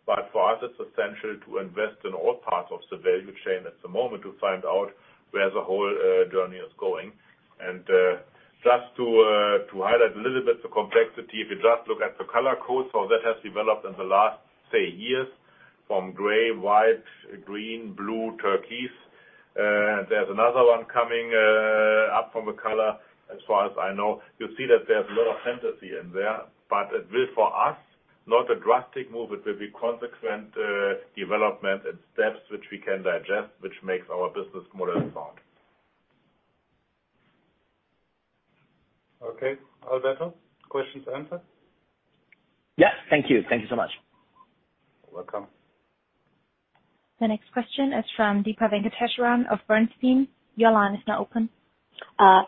For us, it's essential to invest in all parts of the value chain at the moment to find out where the whole journey is going. Just to highlight a little bit the complexity, if you just look at the color code. That has developed in the last, say, years from gray, white, green, blue, turquoise. There's another one coming up from a color, as far as I know. You see that there's a lot of fantasy in there, but it will, for us, not a drastic move. It will be consequent development and steps which we can digest, which makes our business model sound. Okay, Alberto, questions answered? Yes. Thank you. Thank you so much. You're welcome. The next question is from Deepa Venkateswaran of Bernstein. Your line is now open.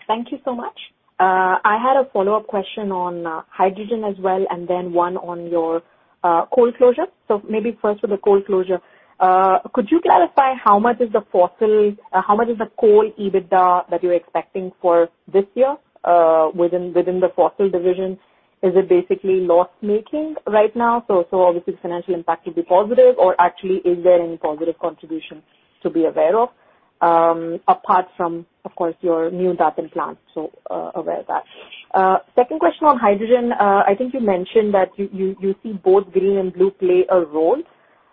Thank you so much. I had a follow-up question on hydrogen as well, and then one on your coal closure. Maybe first with the coal closure. Could you clarify how much is the coal EBITDA that you're expecting for this year within the fossil division? Is it basically loss-making right now? Obviously the financial impact will be positive, or actually is there any positive contribution to be aware of apart from, of course, your new Datteln plant? Aware of that. Second question on hydrogen. I think you mentioned that you see both green and blue play a role,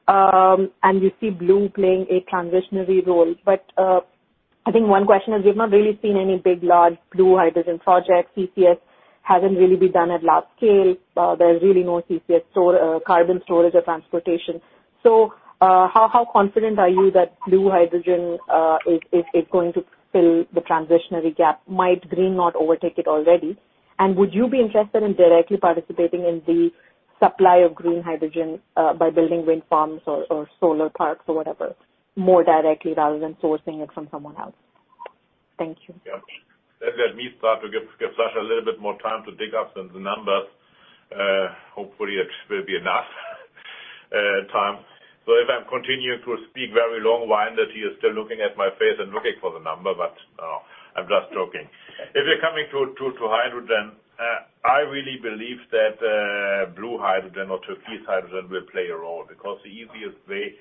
and you see blue playing a transitionary role. I think one question is, we've not really seen any big, large blue hydrogen projects. CCS hasn't really been done at large scale. There's really no CCS carbon storage or transportation. How confident are you that blue hydrogen is going to fill the transitionary gap? Might green not overtake it already? Would you be interested in directly participating in the supply of green hydrogen by building wind farms or solar parks or whatever more directly, rather than sourcing it from someone else? Thank you. Yeah. Let me start to give Sascha a little bit more time to dig up the numbers. Hopefully it will be enough time. If I'm continuing to speak very long-winded, he is still looking at my face and looking for the number, but no, I'm just joking. If you're coming to hydrogen, I really believe that blue hydrogen or turquoise hydrogen will play a role because the easiest way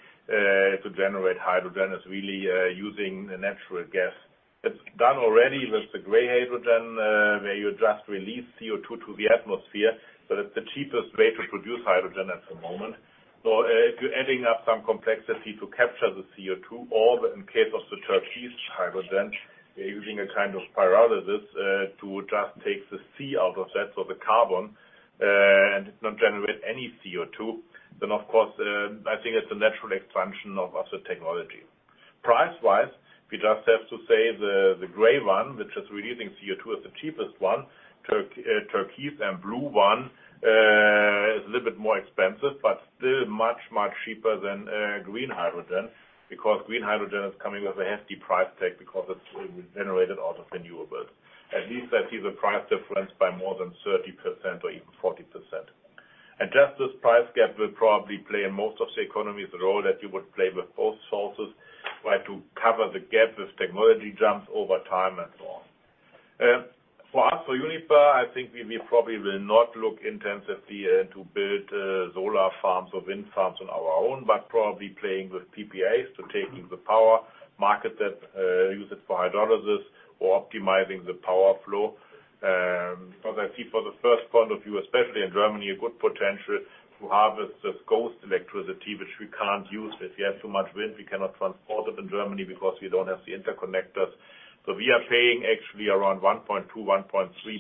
to generate hydrogen is really using the natural gas. It's done already with the gray hydrogen, where you just release CO2 to the atmosphere, but it's the cheapest way to produce hydrogen at the moment. If you're adding up some complexity to capture the CO2, or in case of the turquoise hydrogen, you're using a kind of pyrolysis to just take the C out of that, so the carbon, and not generate any CO2, of course, I think it's a natural expansion of the technology. Price-wise, we just have to say the gray one, which is releasing CO2, is the cheapest one. Turquoise and blue one is a little bit more expensive, but still much, much cheaper than green hydrogen because green hydrogen is coming with a hefty price tag because it's generated out of renewables. At least I see the price difference by more than 30% or even 40%. Just this price gap will probably play in most of the economy the role that you would play with both sources, try to cover the gap as technology jumps over time and so on. For us, for Uniper, I think we probably will not look intensively to build solar farms or wind farms on our own, but probably playing with PPAs to taking the power market that use it for hydrolysis or optimizing the power flow. I see for the first point of view, especially in Germany, a good potential to harvest this ghost electricity which we can't use. If we have too much wind, we cannot transport it in Germany because we don't have the interconnectors. We are paying actually around 1.2 billion-1.3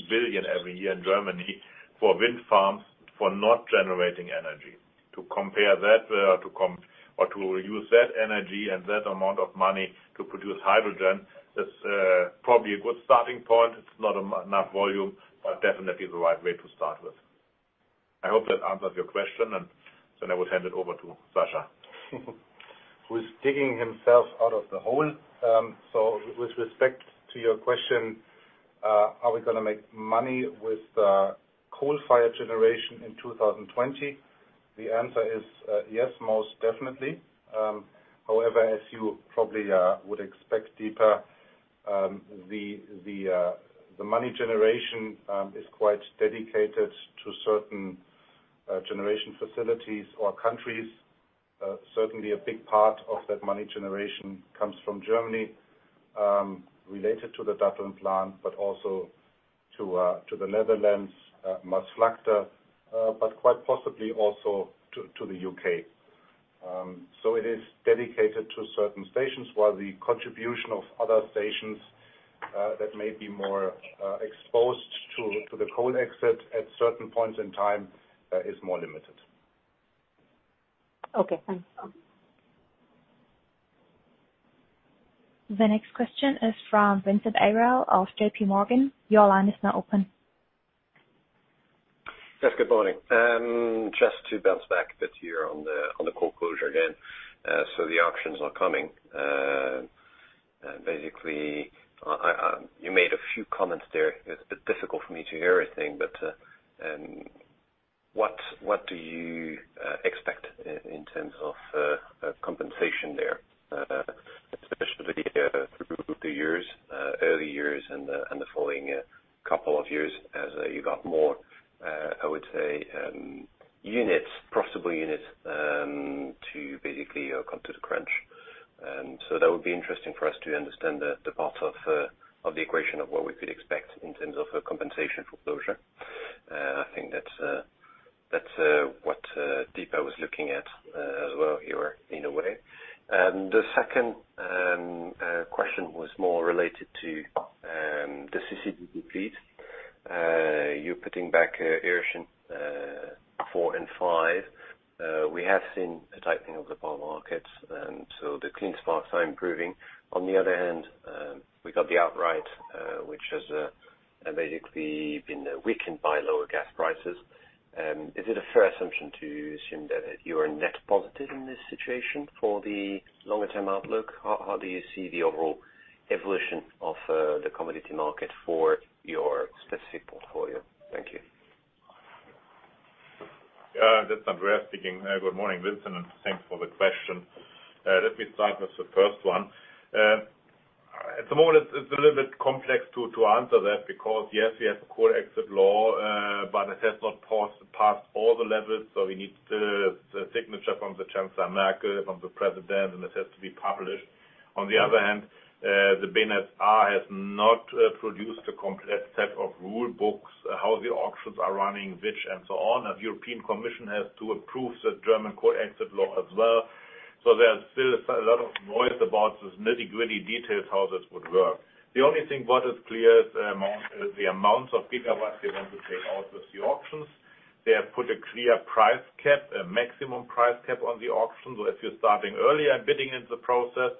billion every year in Germany for wind farms, for not generating energy. To reuse that energy and that amount of money to produce hydrogen is probably a good starting point. It's not enough volume, but definitely the right way to start with. I hope that answers your question, and then I will hand it over to Sascha. Who is digging himself out of the hole. With respect to your question, are we going to make money with coal-fired generation in 2020? The answer is yes, most definitely. However, as you probably would expect, Deepa, the money generation is quite dedicated to certain generation facilities or countries. Certainly a big part of that money generation comes from Germany, related to the Datteln plant, but also to the Netherlands, Maasvlakte, but quite possibly also to the U.K. It is dedicated to certain stations, while the contribution of other stations that may be more exposed to the coal exit at certain points in time is more limited. Okay, thanks. The next question is from Vincent Ayral of JPMorgan. Your line is now open. Yes, good morning. Just to bounce back a bit here on the coal closure again. The auctions are coming. Basically, you made a few comments there. It's a bit difficult for me to hear everything. What do you expect in terms of compensation there, especially through the years, early years, and the following couple of years as you got more, I would say, profitable units to basically come to the crunch. That would be interesting for us to understand the part of the equation of what we could expect in terms of compensation for closure. I think that's what Deepa was looking at as well here, in a way. The second question was more related to the CCGT fleet. You're putting back Irsching 4 and 5. We have seen a tightening of the power markets. The clean sparks are improving. On the other hand, we got the outright, which has basically been weakened by lower gas prices. Is it a fair assumption to assume that you are net positive in this situation for the longer-term outlook? How do you see the overall evolution of the commodity market for your specific portfolio? Thank you. That's Andreas speaking. Good morning, Vincent, and thanks for the question. Let me start with the first one. At the moment, it's a little bit complex to answer that because, yes, we have a coal exit law, but it has not passed all the levels, so we need the signature from the Angela Merkel, from the President, and it has to be published. On the other hand, the Bundesnetzagentur has not produced a complete set of rule books, how the auctions are running, which and so on. The European Commission has to approve the German coal exit law as well. There's still a lot of noise about those nitty-gritty details, how this would work. The only thing what is clear is the amount of gigawatts they want to take out with the auctions. They have put a clear price cap, a maximum price cap on the auction. If you're starting early and bidding in the process,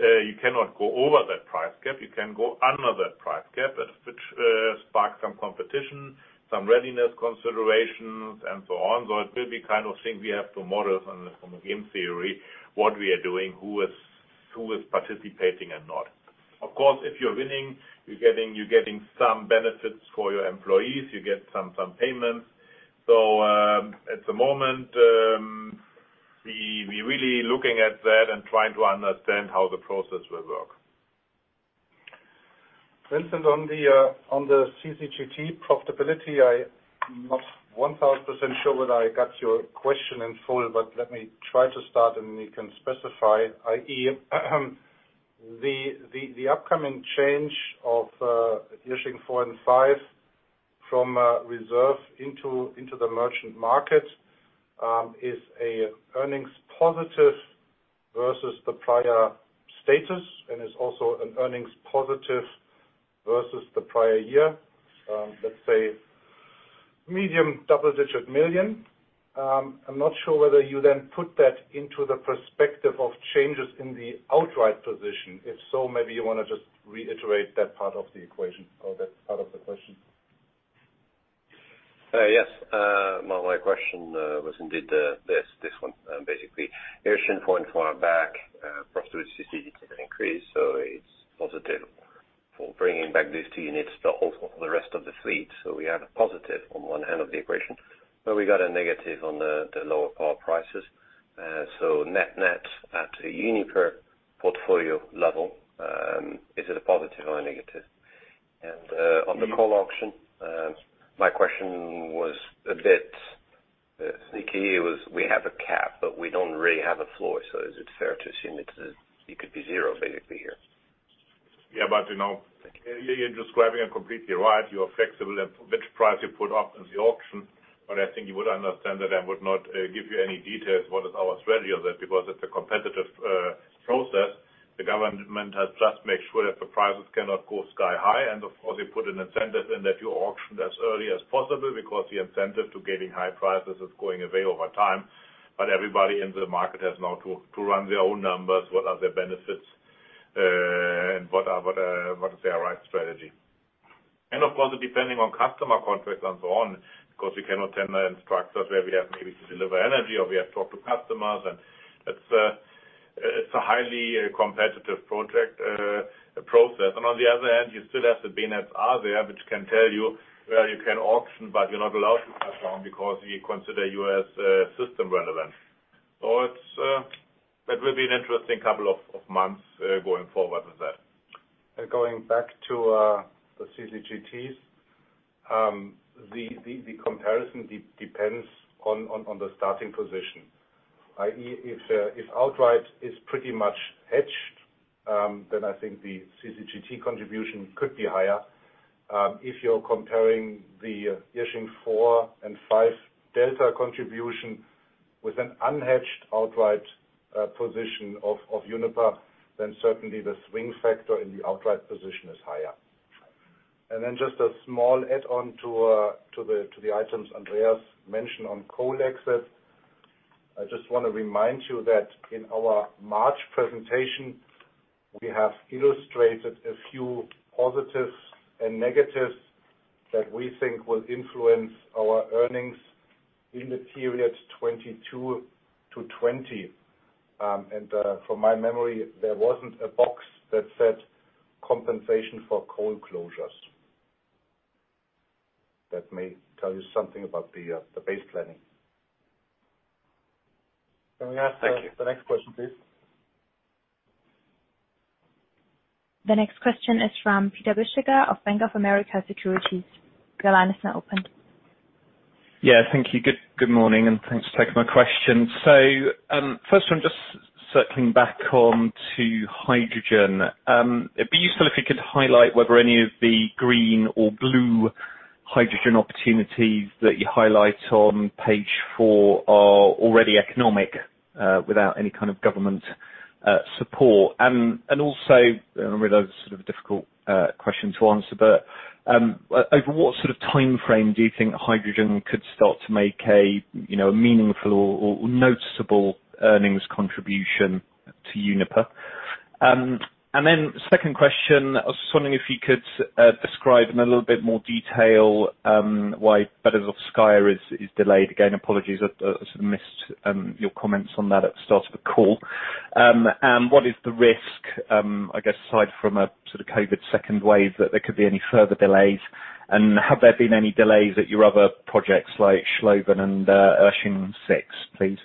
you cannot go over that price cap. You can go under that price cap, which sparks some competition, some readiness considerations, and so on. It will be kind of thing we have to model from a game theory, what we are doing, who is participating and not. Of course, if you're winning, you're getting some benefits for your employees. You get some payments. At the moment, we're really looking at that and trying to understand how the process will work. Vincent, on the CCGT profitability, I'm not 1,000% sure that I got your question in full, but let me try to start and we can specify, i.e., the upcoming change of Irsching 4 and 5 from reserve into the merchant market is an earnings positive versus the prior status, and is also an earnings positive versus the prior year. Let's say EUR medium double-digit million. I'm not sure whether you then put that into the perspective of changes in the outright position. If so, maybe you want to just reiterate that part of the equation or that part of the question. Yes. My question was indeed this one, basically. Irsching 4 and 5 are back, profit through CCGT have increased, it's positive for bringing back these two units to host the rest of the fleet. We have a positive on one hand of the equation, but we got a negative on the lower power prices. Net at a Uniper portfolio level, is it a positive or a negative? On the call auction, my question was a bit sneaky. It was, we have a cap, but we don't really have a floor. Is it fair to assume it could be zero basically here? You're describing it completely right. You are flexible at which price you put up in the auction, but I think you would understand that I would not give you any details what is our strategy on that, because it's a competitive process. The government has just made sure that the prices cannot go sky high, and of course, they put an incentive in that you auction as early as possible, because the incentive to getting high prices is going away over time. Everybody in the market has now to run their own numbers, what are their benefits, and what is their right strategy. Of course, depending on customer contracts and so on, because we cannot tell the customers where we have maybe to deliver energy or we have talked to customers, and it's a highly competitive project process. On the other hand, you still have the BNetzA there, which can tell you where you can auction, but you're not allowed to touch on because we consider you as system relevant. It will be an interesting couple of months going forward with that. Going back to the CCGTs. The comparison depends on the starting position. If outright is pretty much hedged, I think the CCGT contribution could be higher. If you're comparing the Irsching 4 and 5 delta contribution with an unhedged outright position of Uniper, certainly the swing factor in the outright position is higher. Just a small add-on to the items Andreas mentioned on coal exits. I just want to remind you that in our March presentation, we have illustrated a few positives and negatives that we think will influence our earnings in the period 2022 to 2020. From my memory, there wasn't a box that said compensation for coal closures. That may tell you something about the base planning. Thank you. Can we have the next question, please? The next question is from Peter Bisztyga of Bank of America Securities. Your line is now open. Yeah. Thank you. Good morning, and thanks for taking my question. First one, just circling back onto hydrogen. It'd be useful if you could highlight whether any of the green or blue hydrogen opportunities that you highlight on page four are already economic without any kind of government support. Also, I know this is a difficult question to answer, but over what sort of timeframe do you think hydrogen could start to make a meaningful or noticeable earnings contribution to Uniper? Then second question, I was just wondering if you could describe in a little bit more detail why Berezovskaya is delayed. Again, apologies, I sort of missed your comments on that at the start of the call. What is the risk, I guess aside from a sort of COVID second wave, that there could be any further delays? Have there been any delays at your other projects like Scholven and Irsching 6, please?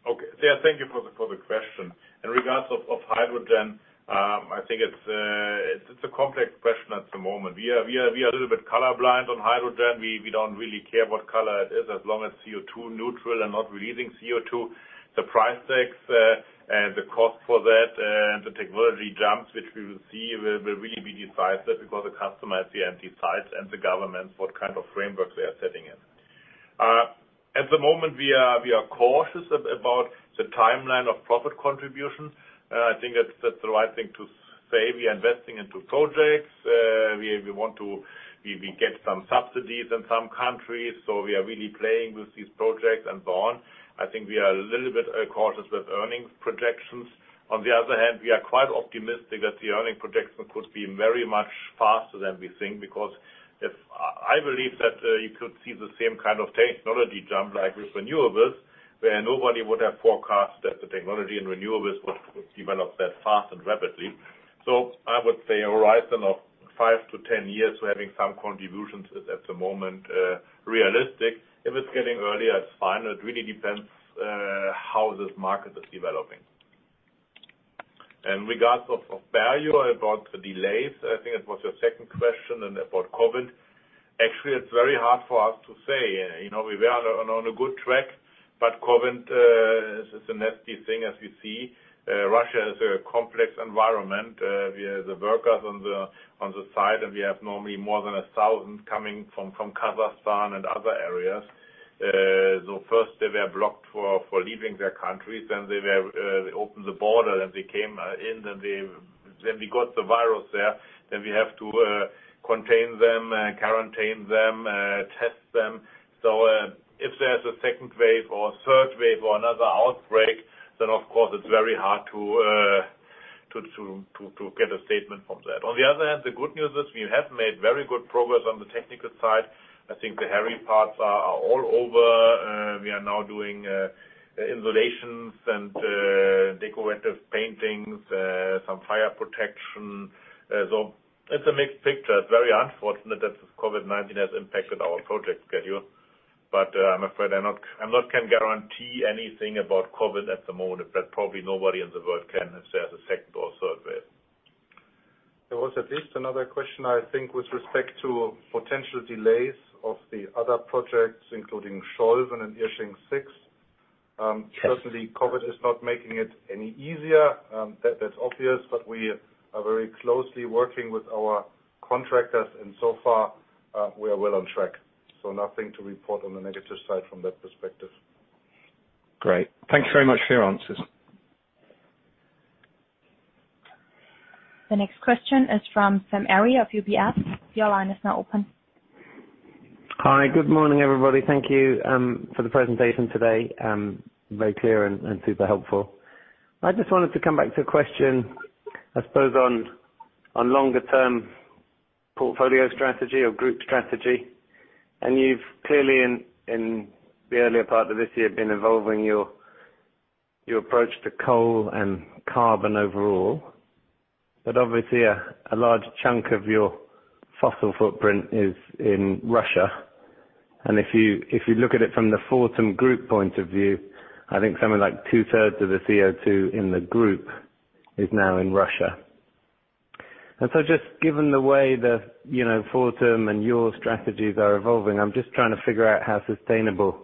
Okay. Yeah, thank you for the question. In regards of hydrogen, I think it's a complex question at the moment. We are a little bit colorblind on hydrogen. We don't really care what color it is, as long as it's CO2 neutral and not releasing CO2. The price tags and the cost for that and the technology jumps which we will see will really be decisive because the customer at the end decides, and the government, what kind of framework they are setting in. At the moment, we are cautious about the timeline of profit contributions. I think that's the right thing to say. We are investing into projects. We get some subsidies in some countries, so we are really playing with these projects and so on. I think we are a little bit cautious with earnings projections. The other hand, we are quite optimistic that the earning projection could be very much faster than we think, because I believe that you could see the same kind of technology jump like with renewables, where nobody would have forecast that the technology and renewables would develop that fast and rapidly. I would say a horizon of 5-10 years, we're having some contributions at the moment realistic. If it's getting earlier, it's fine. It really depends how this market is developing. In regards of value about the delays, I think it was your second question and about COVID. Actually, it's very hard for us to say. We were on a good track, COVID is a nasty thing, as we see. Russia is a complex environment. We have the workers on the site, we have normally more than 1,000 coming from Kazakhstan and other areas. First they were blocked for leaving their countries, then they opened the border and they came in. We got the virus there, then we have to contain them, quarantine them, test them. If there's a second wave or a third wave or another outbreak, then of course it's very hard to get a statement from that. On the other hand, the good news is we have made very good progress on the technical side. I think the heavy parts are all over. We are now doing insulations and decorative paintings, some fire protection. It's a mixed picture. It's very unfortunate that COVID-19 has impacted our project schedule, but I'm afraid I cannot guarantee anything about COVID at the moment, but probably nobody in the world can say. There was at least another question, I think, with respect to potential delays of the other projects, including Scholven and Irsching 6. Certainly, COVID is not making it any easier, that's obvious, but we are very closely working with our contractors, and so far, we are well on track. Nothing to report on the negative side from that perspective. Great. Thank you very much for your answers. The next question is from Sam Arie of UBS. Your line is now open. Hi. Good morning, everybody. Thank you for the presentation today. Very clear and super helpful. I just wanted to come back to a question, I suppose, on longer-term portfolio strategy or group strategy. You've clearly, in the earlier part of this year, been evolving your approach to coal and carbon overall, but obviously a large chunk of your fossil footprint is in Russia. If you look at it from the Fortum Group point of view, I think something like two-thirds of the CO2 in the group is now in Russia. Just given the way that Fortum and your strategies are evolving, I'm just trying to figure out how sustainable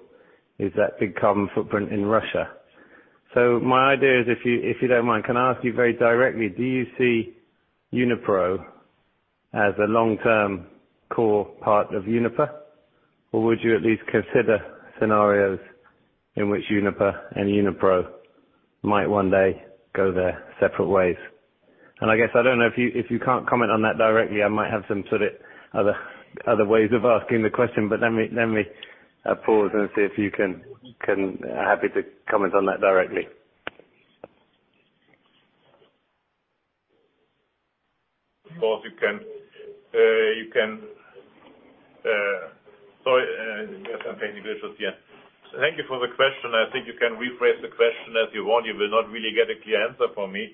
is that big carbon footprint in Russia. My idea is, if you don't mind, can I ask you very directly, do you see Unipro as a long-term core part of Uniper? Would you at least consider scenarios in which Uniper and Unipro might one day go their separate ways? I guess, I don't know, if you can't comment on that directly, I might have some sort of other ways of asking the question, let me pause and see if you can happy to comment on that directly. Of course, you can. Sorry, we have some technical issues here. Thank you for the question. I think you can rephrase the question as you want. You will not really get a clear answer from me,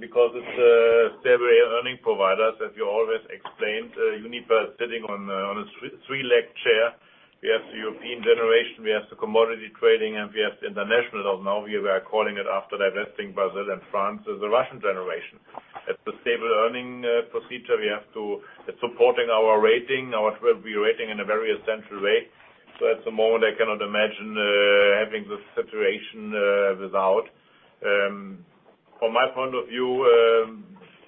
because it's a stable earning provider. As you always explained, Uniper is sitting on a three-leg chair. We have the European generation, we have the commodity trading, and we have the international. As of now, we are calling it after divesting Brazil and France as the Russian Generation. It's a stable earning procedure. It's supporting our rating, our triple B rating in a very essential way. At the moment, I cannot imagine having this situation without. From my point of view,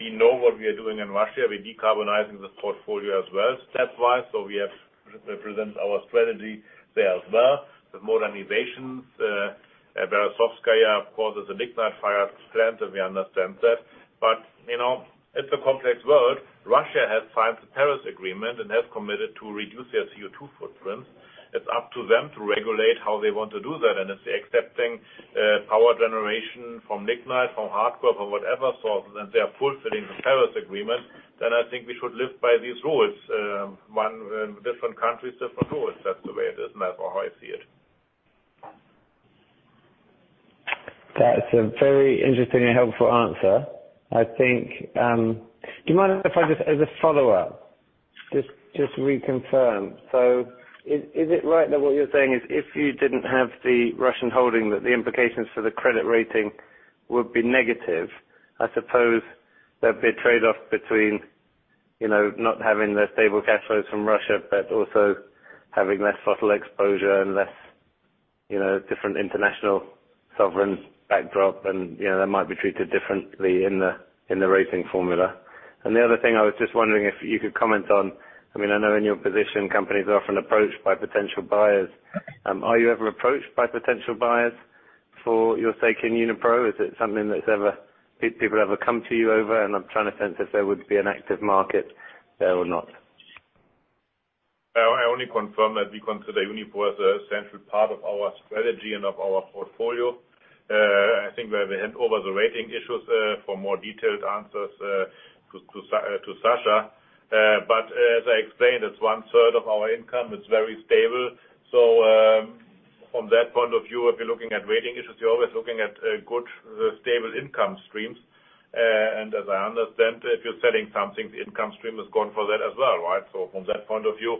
we know what we are doing in Russia. We're decarbonizing this portfolio as well, stepwise, so we represent our strategy there as well. The modernizations, Berezovskaya causes a lignite-fired strength, and we understand that. It's a complex world. Russia has signed the Paris Agreement and has committed to reduce their CO2 footprints. It's up to them to regulate how they want to do that, and it's accepting power generation from lignite, from hard coal, from whatever sources, and they are fulfilling the Paris Agreement. I think we should live by these rules. Different countries, different rules. That's the way it is, and that's how I see it. That's a very interesting and helpful answer. Do you mind if I just, as a follow-up, just reconfirm. Is it right that what you're saying is if you didn't have the Russian holding, that the implications for the credit rating would be negative? I suppose there'd be a trade-off between not having the stable cash flows from Russia, but also having less fossil exposure and less different international sovereign backdrop, and that might be treated differently in the rating formula. The other thing I was just wondering if you could comment on, I know in your position, companies are often approached by potential buyers. Are you ever approached by potential buyers for your stake in Unipro? Is it something that people ever come to you over? I'm trying to sense if there would be an active market there or not. I only confirm that we consider Unipro as a central part of our strategy and of our portfolio. I think we have to hand over the rating issues for more detailed answers to Sascha. As I explained, it's one-third of our income. It's very stable. From that point of view, if you're looking at rating issues, you're always looking at good, stable income streams. As I understand, if you're selling something, the income stream is gone for that as well, right. From that point of view,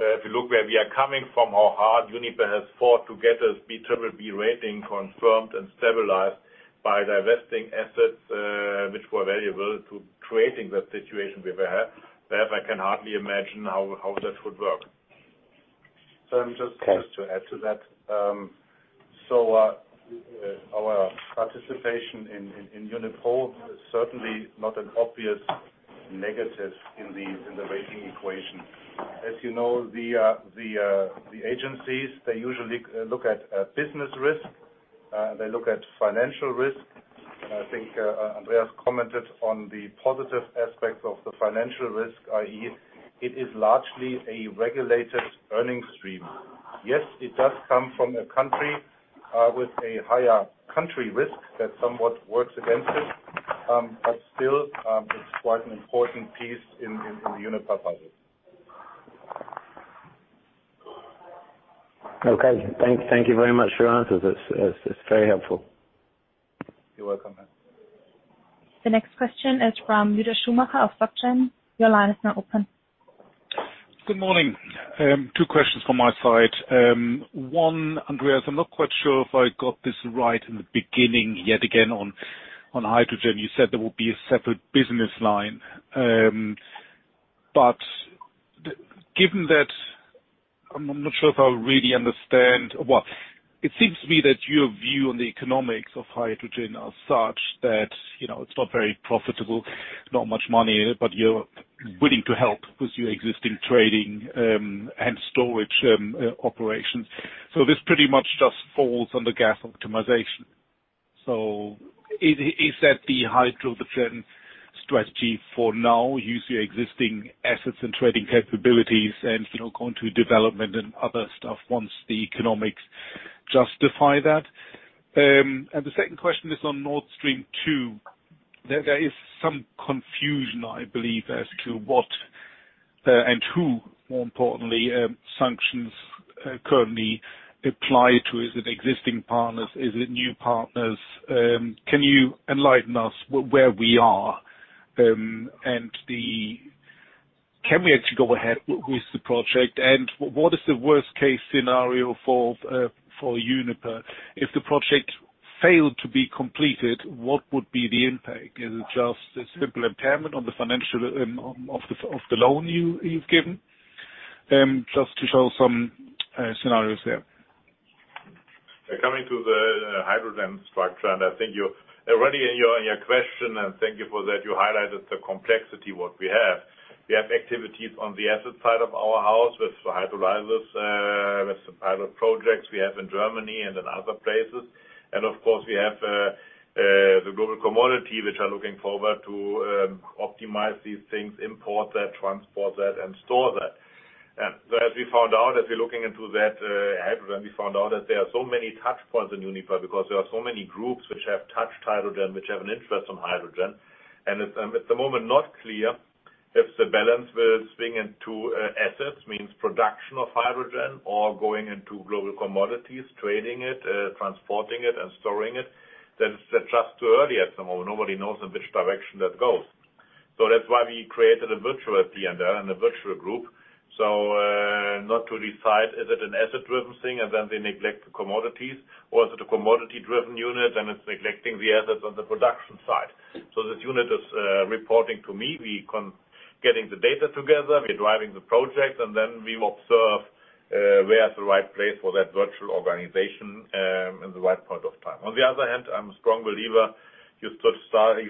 if you look where we are coming from, how hard Uniper has fought to get this BBB rating confirmed and stabilized by divesting assets which were variable to creating the situation we were at, therefore, I can hardly imagine how that would work. Just to add to that. Our participation in Unipro is certainly not an obvious negative in the rating equation. As you know, the agencies, they usually look at business risk, they look at financial risk. I think Andreas commented on the positive aspects of the financial risk, i.e., it is largely a regulated earnings stream. Yes, it does come from a country with a higher country risk that somewhat works against it, but still, it's quite an important piece in the Uniper puzzle. Okay. Thank you very much for your answers. It is very helpful. You're welcome. The next question is from Lueder Schumacher of SocGen. Your line is now open. Good morning. Two questions from my side. One, Andreas, I'm not quite sure if I got this right in the beginning, yet again, on hydrogen. You said there will be a separate business line. Given that, I'm not sure if I really understand. Well, it seems to me that your view on the economics of hydrogen are such that it's not very profitable, not much money, but you're willing to help with your existing trading and storage operations. This pretty much just falls under gas optimization. Is that the hydrogen strategy for now, use your existing assets and trading capabilities and go into development and other stuff once the economics justify that? The second question is on Nord Stream 2. There is some confusion, I believe, as to what and who, more importantly, sanctions currently apply to. Is it existing partners? Is it new partners? Can you enlighten us where we are? Can we actually go ahead with the project? What is the worst-case scenario for Uniper? If the project failed to be completed, what would be the impact? Is it just a simple impairment on the financials of the loan you've given? Just to show some scenarios there. Coming to the hydrogen structure, I think you already in your question, and thank you for that, you highlighted the complexity what we have. We have activities on the asset side of our house with the electrolyzers, with the pilot projects we have in Germany and in other places. Of course, we have the global commodity, which are looking forward to optimize these things, import that, transport that, and store that. As we found out, as we're looking into that hydrogen, we found out that there are so many touchpoints in Uniper because there are so many groups which have touched hydrogen, which have an interest in hydrogen. It's, at the moment, not clear if the balance will swing into assets, means production of hydrogen, or going into global commodities, trading it, transporting it, and storing it. That is just too early at the moment. Nobody knows in which direction that goes. That's why we created a virtual at the end there and a virtual group. Not to decide, is it an asset-driven thing, and then they neglect the commodities? Or is it a commodity-driven unit, and it's neglecting the assets on the production side? This unit is reporting to me. Getting the data together, we're driving the project, and then we observe where is the right place for that virtual organization in the right point of time. On the other hand, I'm a strong believer you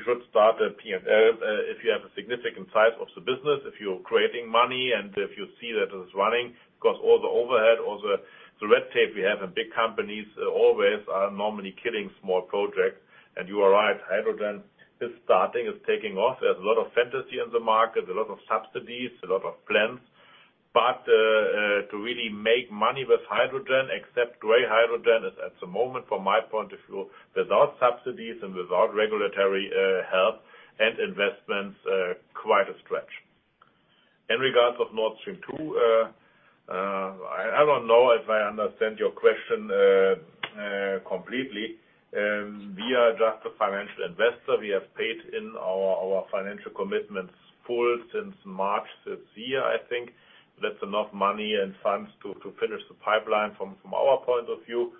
should start a P&L if you have a significant size of the business, if you're creating money, and if you see that it's running, because all the overhead, all the red tape we have in big companies always are normally killing small projects. You are right, hydrogen is starting. It's taking off. There's a lot of fantasy in the market, a lot of subsidies, a lot of plans. To really make money with hydrogen, except gray hydrogen, is at the moment, from my point of view, without subsidies and without regulatory help and investments, quite a stretch. In regards of Nord Stream 2, I don't know if I understand your question completely. We are just a financial investor. We have paid in our financial commitments pool since March this year, I think. That's enough money and funds to finish the pipeline from our point of view.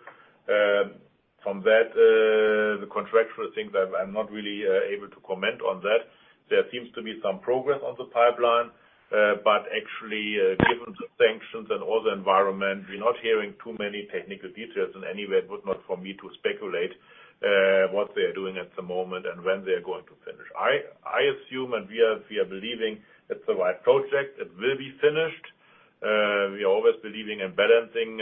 From that, the contractual things, I'm not really able to comment on that. There seems to be some progress on the pipeline. Actually, given the sanctions and all the environment, we're not hearing too many technical details in any way. It would not for me to speculate what they are doing at the moment and when they are going to finish. I assume, we are believing it's the right project. It will be finished. We are always believing in balancing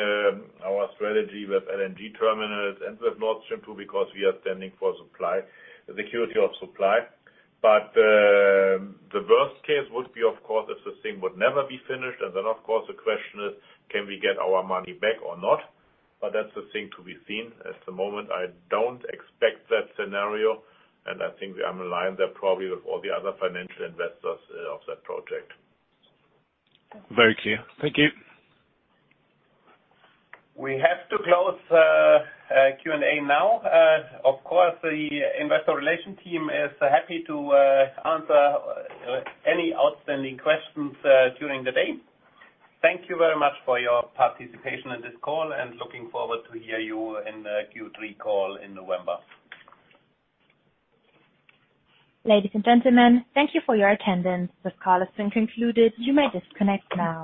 our strategy with LNG terminals and with Nord Stream 2 because we are standing for supply, the security of supply. The worst case would be, of course, if the thing would never be finished. Of course, the question is, can we get our money back or not? That's the thing to be seen. At the moment, I don't expect that scenario, and I think we are in line there probably with all the other financial investors of that project. Very clear. Thank you. We have to close Q&A now. Of course, the investor relation team is happy to answer any outstanding questions during the day. Thank you very much for your participation in this call, and looking forward to hear you in the Q3 call in November. Ladies and gentlemen, thank you for your attendance. This call has been concluded. You may disconnect now.